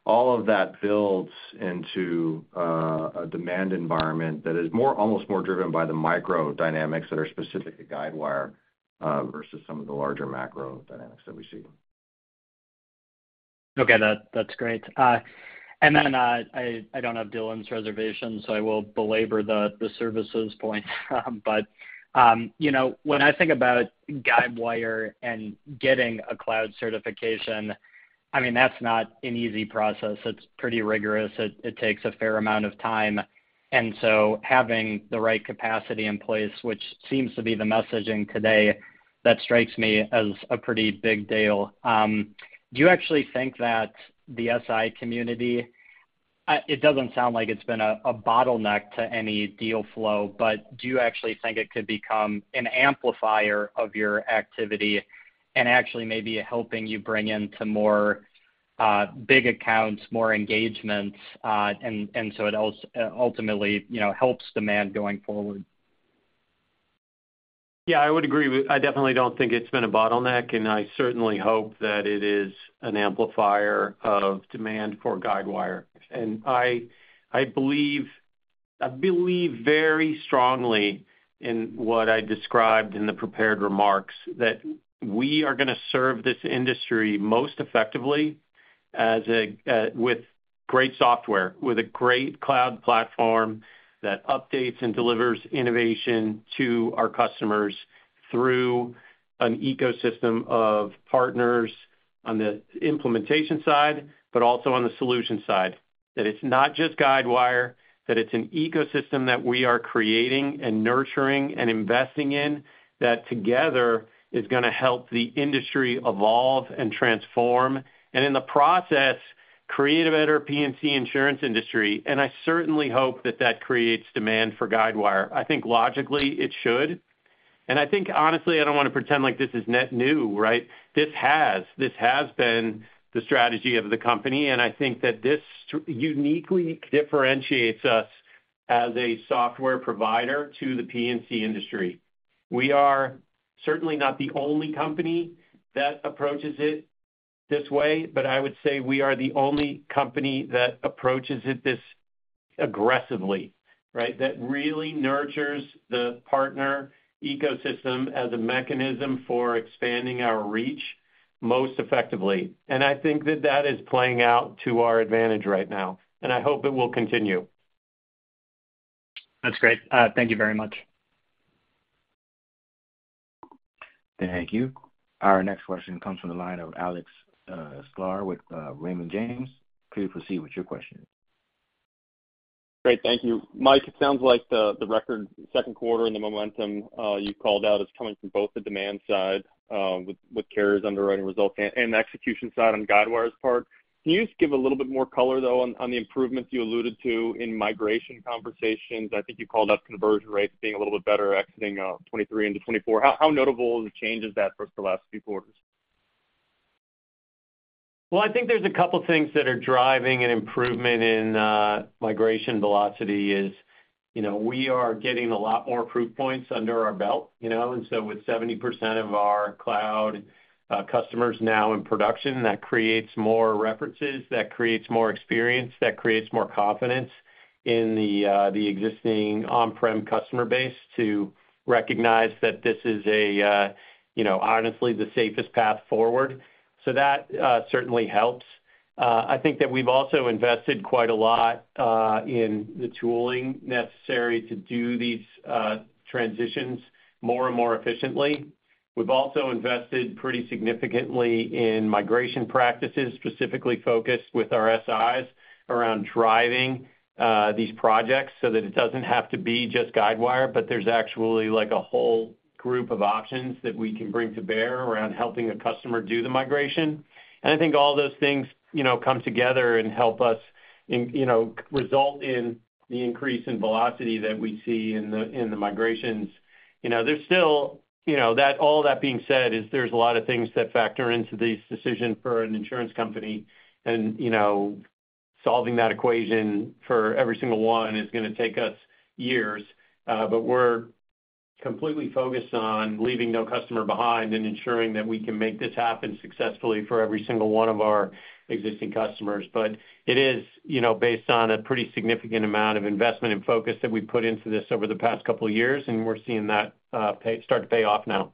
All of that builds into a demand environment that is almost more driven by the micro dynamics that are specific to Guidewire versus some of the larger macro dynamics that we see. Okay. That's great. And then I don't have Dylan's reservations, so I will belabor the services point. But when I think about Guidewire and getting a cloud certification, I mean, that's not an easy process. It's pretty rigorous. It takes a fair amount of time. And so having the right capacity in place, which seems to be the messaging today, that strikes me as a pretty big deal. Do you actually think that the SI community, it doesn't sound like it's been a bottleneck to any deal flow, but do you actually think it could become an amplifier of your activity and actually maybe helping you bring into more big accounts, more engagements, and so it ultimately helps demand going forward? Yeah, I would agree with. I definitely don't think it's been a bottleneck, and I certainly hope that it is an amplifier of demand for Guidewire. I believe very strongly in what I described in the prepared remarks that we are going to serve this industry most effectively with great software, with a great cloud platform that updates and delivers innovation to our customers through an ecosystem of partners on the implementation side, but also on the solution side, that it's not just Guidewire, that it's an ecosystem that we are creating and nurturing and investing in that together is going to help the industry evolve and transform and, in the process, create a better P&C insurance industry. I certainly hope that that creates demand for Guidewire. I think, logically, it should. I think, honestly, I don't want to pretend like this is net new, right? This has been the strategy of the company. I think that this uniquely differentiates us as a software provider to the P&C industry. We are certainly not the only company that approaches it this way, but I would say we are the only company that approaches it this aggressively, right, that really nurtures the partner ecosystem as a mechanism for expanding our reach most effectively. I think that that is playing out to our advantage right now, and I hope it will continue. That's great. Thank you very much. Thank you. Our next question comes from the line of Alex Sklar with Raymond James. Please proceed with your question. Great. Thank you. Mike, it sounds like the record second quarter and the momentum you called out is coming from both the demand side with carriers underwriting results and the execution side on Guidewire's part. Can you just give a little bit more color, though, on the improvements you alluded to in migration conversations? I think you called out conversion rates being a little bit better, exiting 2023 into 2024. How notable changes that for us the last few quarters? Well, I think there's a couple of things that are driving an improvement in migration velocity is we are getting a lot more proof points under our belt. And so with 70% of our cloud customers now in production, that creates more references, that creates more experience, that creates more confidence in the existing on-prem customer base to recognize that this is, honestly, the safest path forward. So that certainly helps. I think that we've also invested quite a lot in the tooling necessary to do these transitions more and more efficiently. We've also invested pretty significantly in migration practices, specifically focused with our SIs around driving these projects so that it doesn't have to be just Guidewire, but there's actually a whole group of options that we can bring to bear around helping a customer do the migration. I think all those things come together and help us result in the increase in velocity that we see in the migrations. There's still, all that being said, a lot of things that factor into this decision for an insurance company. Solving that equation for every single one is going to take us years. But we're completely focused on leaving no customer behind and ensuring that we can make this happen successfully for every single one of our existing customers. But it is based on a pretty significant amount of investment and focus that we've put into this over the past couple of years, and we're seeing that start to pay off now.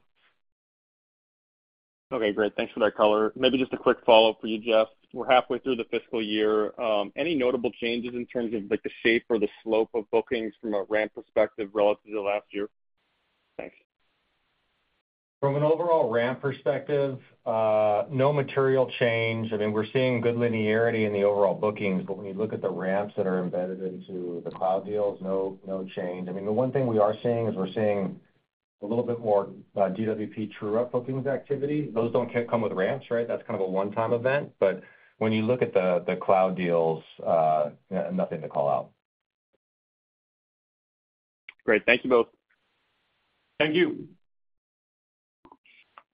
Okay. Great. Thanks for that color. Maybe just a quick follow-up for you, Jeff. We're halfway through the fiscal year. Any notable changes in terms of the shape or the slope of bookings from a ramp perspective relative to last year? Thanks. From an overall ramp perspective, no material change. I mean, we're seeing good linearity in the overall bookings. But when you look at the ramps that are embedded into the cloud deals, no change. I mean, the one thing we are seeing is we're seeing a little bit more DWP true-up bookings activity. Those don't come with ramps, right? That's kind of a one-time event. But when you look at the cloud deals, nothing to call out. Great. Thank you both. Thank you.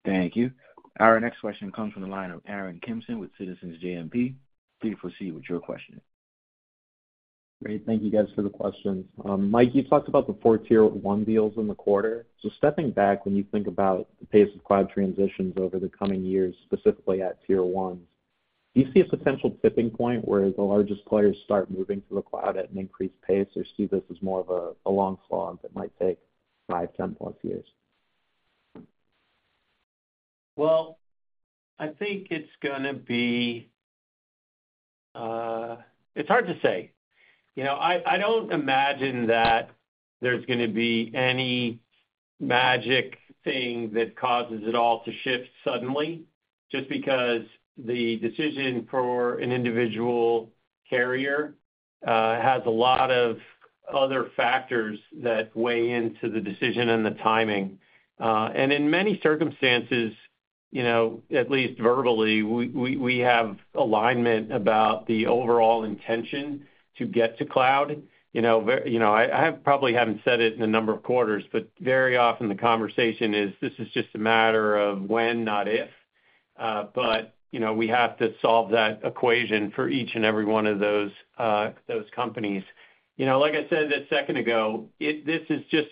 Thank you. Our next question comes from the line of Aaron Kimson with Citizens JMP. Please proceed with your question. Great. Thank you, guys, for the questions. Mike, you've talked about the 4 Tier 1 deals in the quarter. So stepping back, when you think about the pace of cloud transitions over the coming years, specifically at Tier 1s, do you see a potential tipping point where the largest players start moving to the cloud at an increased pace or see this as more of a long slog that might take 5, 10+ years? Well, I think it's going to be hard to say. I don't imagine that there's going to be any magic thing that causes it all to shift suddenly just because the decision for an individual carrier has a lot of other factors that weigh into the decision and the timing. In many circumstances, at least verbally, we have alignment about the overall intention to get to cloud. I probably haven't said it in a number of quarters, but very often, the conversation is, "This is just a matter of when, not if." We have to solve that equation for each and every one of those companies. Like I said a 2nd ago, this is just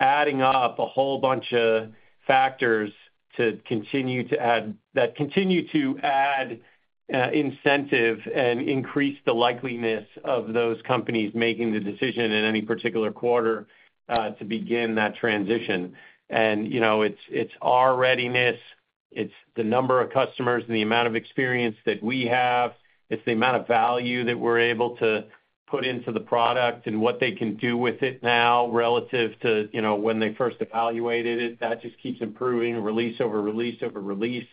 adding up a whole bunch of factors to continue to add that continue to add incentive and increase the likeliness of those companies making the decision in any particular quarter to begin that transition. It's our readiness. It's the number of customers and the amount of experience that we have. It's the amount of value that we're able to put into the product and what they can do with it now relative to when they first evaluated it. That just keeps improving, release over release over release.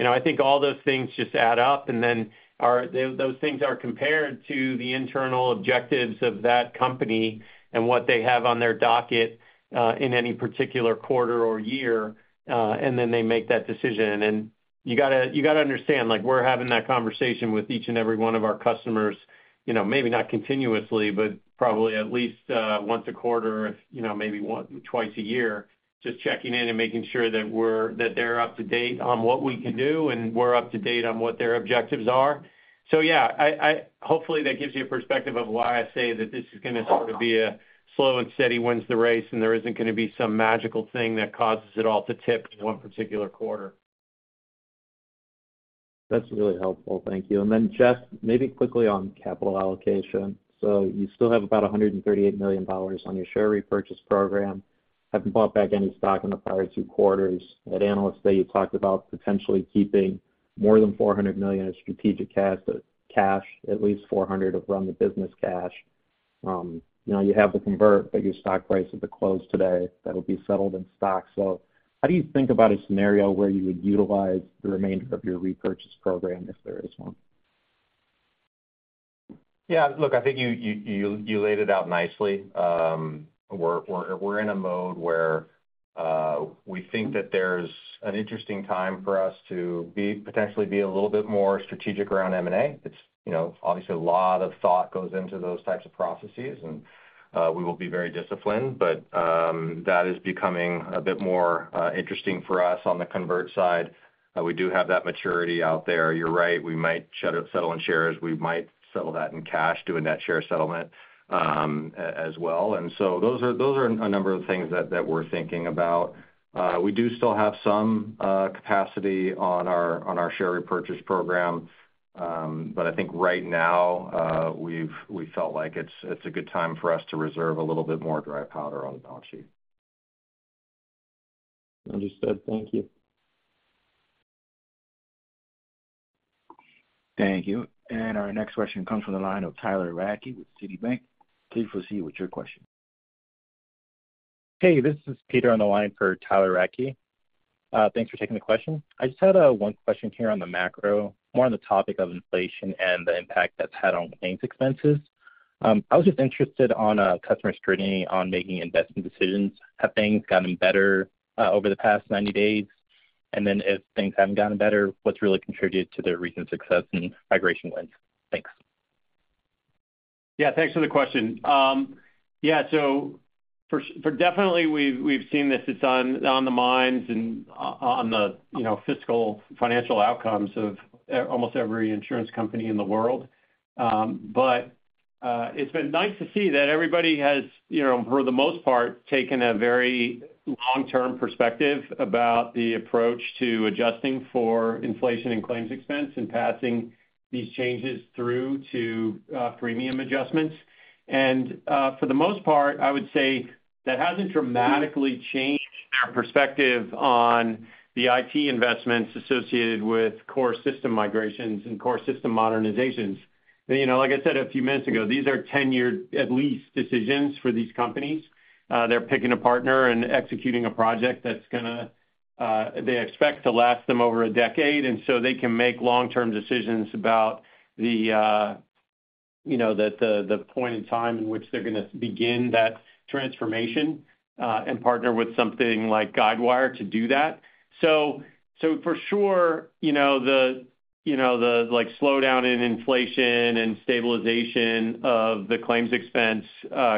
I think all those things just add up. Then those things are compared to the internal objectives of that company and what they have on their docket in any particular quarter or year, and then they make that decision. You got to understand, we're having that conversation with each and every one of our customers, maybe not continuously, but probably at least once a quarter, maybe twice a year, just checking in and making sure that they're up to date on what we can do and we're up to date on what their objectives are. So yeah, hopefully, that gives you a perspective of why I say that this is going to sort of be a slow and steady wins the race, and there isn't going to be some magical thing that causes it all to tip in one particular quarter. That's really helpful. Thank you. And then, Jeff, maybe quickly on capital allocation. So you still have about $138 million on your share repurchase program, haven't bought back any stock in the prior two quarters. At analyst day, you talked about potentially keeping more than $400 million of strategic cash, at least $400 million of run-the-business cash. You have to convert, but your stock price at the close today, that'll be settled in stock. So how do you think about a scenario where you would utilize the remainder of your repurchase program if there is one? Yeah. Look, I think you laid it out nicely. We're in a mode where we think that there's an interesting time for us to potentially be a little bit more strategic around M&A. Obviously, a lot of thought goes into those types of processes, and we will be very disciplined. But that is becoming a bit more interesting for us on the convert side. We do have that maturity out there. You're right. We might settle in shares. We might settle that in cash, do a net share settlement as well. And so those are a number of things that we're thinking about. We do still have some capacity on our share repurchase program, but I think right now, we felt like it's a good time for us to reserve a little bit more dry powder on the balance sheet. Understood. Thank you. Thank you. And our next question comes from the line of Tyler Radke with Citibank. Please proceed with your question. Hey, this is Peter on the line for Tyler Radke. Thanks for taking the question. I just had one question here on the macro, more on the topic of inflation and the impact that's had on claims expenses. I was just interested on customer scrutiny on making investment decisions. Have things gotten better over the past 90 days? And then if things haven't gotten better, what's really contributed to the recent success in migration wins? Thanks. Yeah. Thanks for the question. Yeah. So definitely, we've seen this. It's on the minds and on the fiscal financial outcomes of almost every insurance company in the world. But it's been nice to see that everybody has, for the most part, taken a very long-term perspective about the approach to adjusting for inflation and claims expense and passing these changes through to premium adjustments. And for the most part, I would say that hasn't dramatically changed their perspective on the IT investments associated with core system migrations and core system modernizations. Like I said a few minutes ago, these are 10-year, at least, decisions for these companies. They're picking a partner and executing a project that's going to they expect to last them over a decade. And so they can make long-term decisions about the point in time in which they're going to begin that transformation and partner with something like Guidewire to do that. So for sure, the slowdown in inflation and stabilization of the claims expense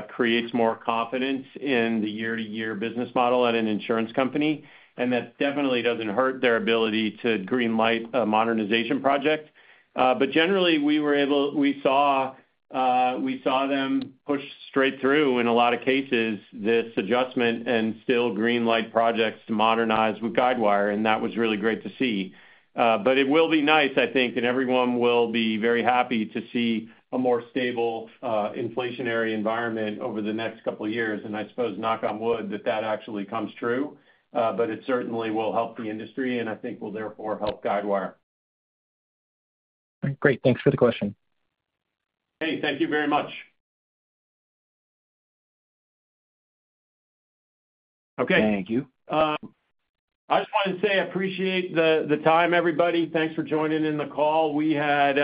creates more confidence in the year-to-year business model at an insurance company. And that definitely doesn't hurt their ability to greenlight a modernization project. But generally, we were able we saw them push straight through, in a lot of cases, this adjustment and still greenlight projects to modernize with Guidewire. And that was really great to see. But it will be nice, I think, and everyone will be very happy to see a more stable inflationary environment over the next couple of years. And I suppose, knock on wood, that that actually comes true. But it certainly will help the industry and I think will, therefore, help Guidewire. Great. Thanks for the question. Hey, thank you very much. Okay. I just wanted to say I appreciate the time, everybody. Thanks for joining in the call. We had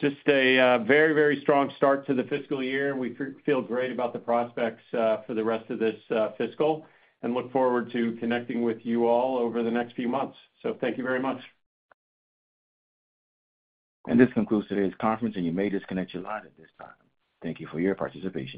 just a very, very strong start to the fiscal year. We feel great about the prospects for the rest of this fiscal and look forward to connecting with you all over the next few months. Thank you very much. This concludes today's conference, and you may disconnect your line at this time. Thank you for your participation.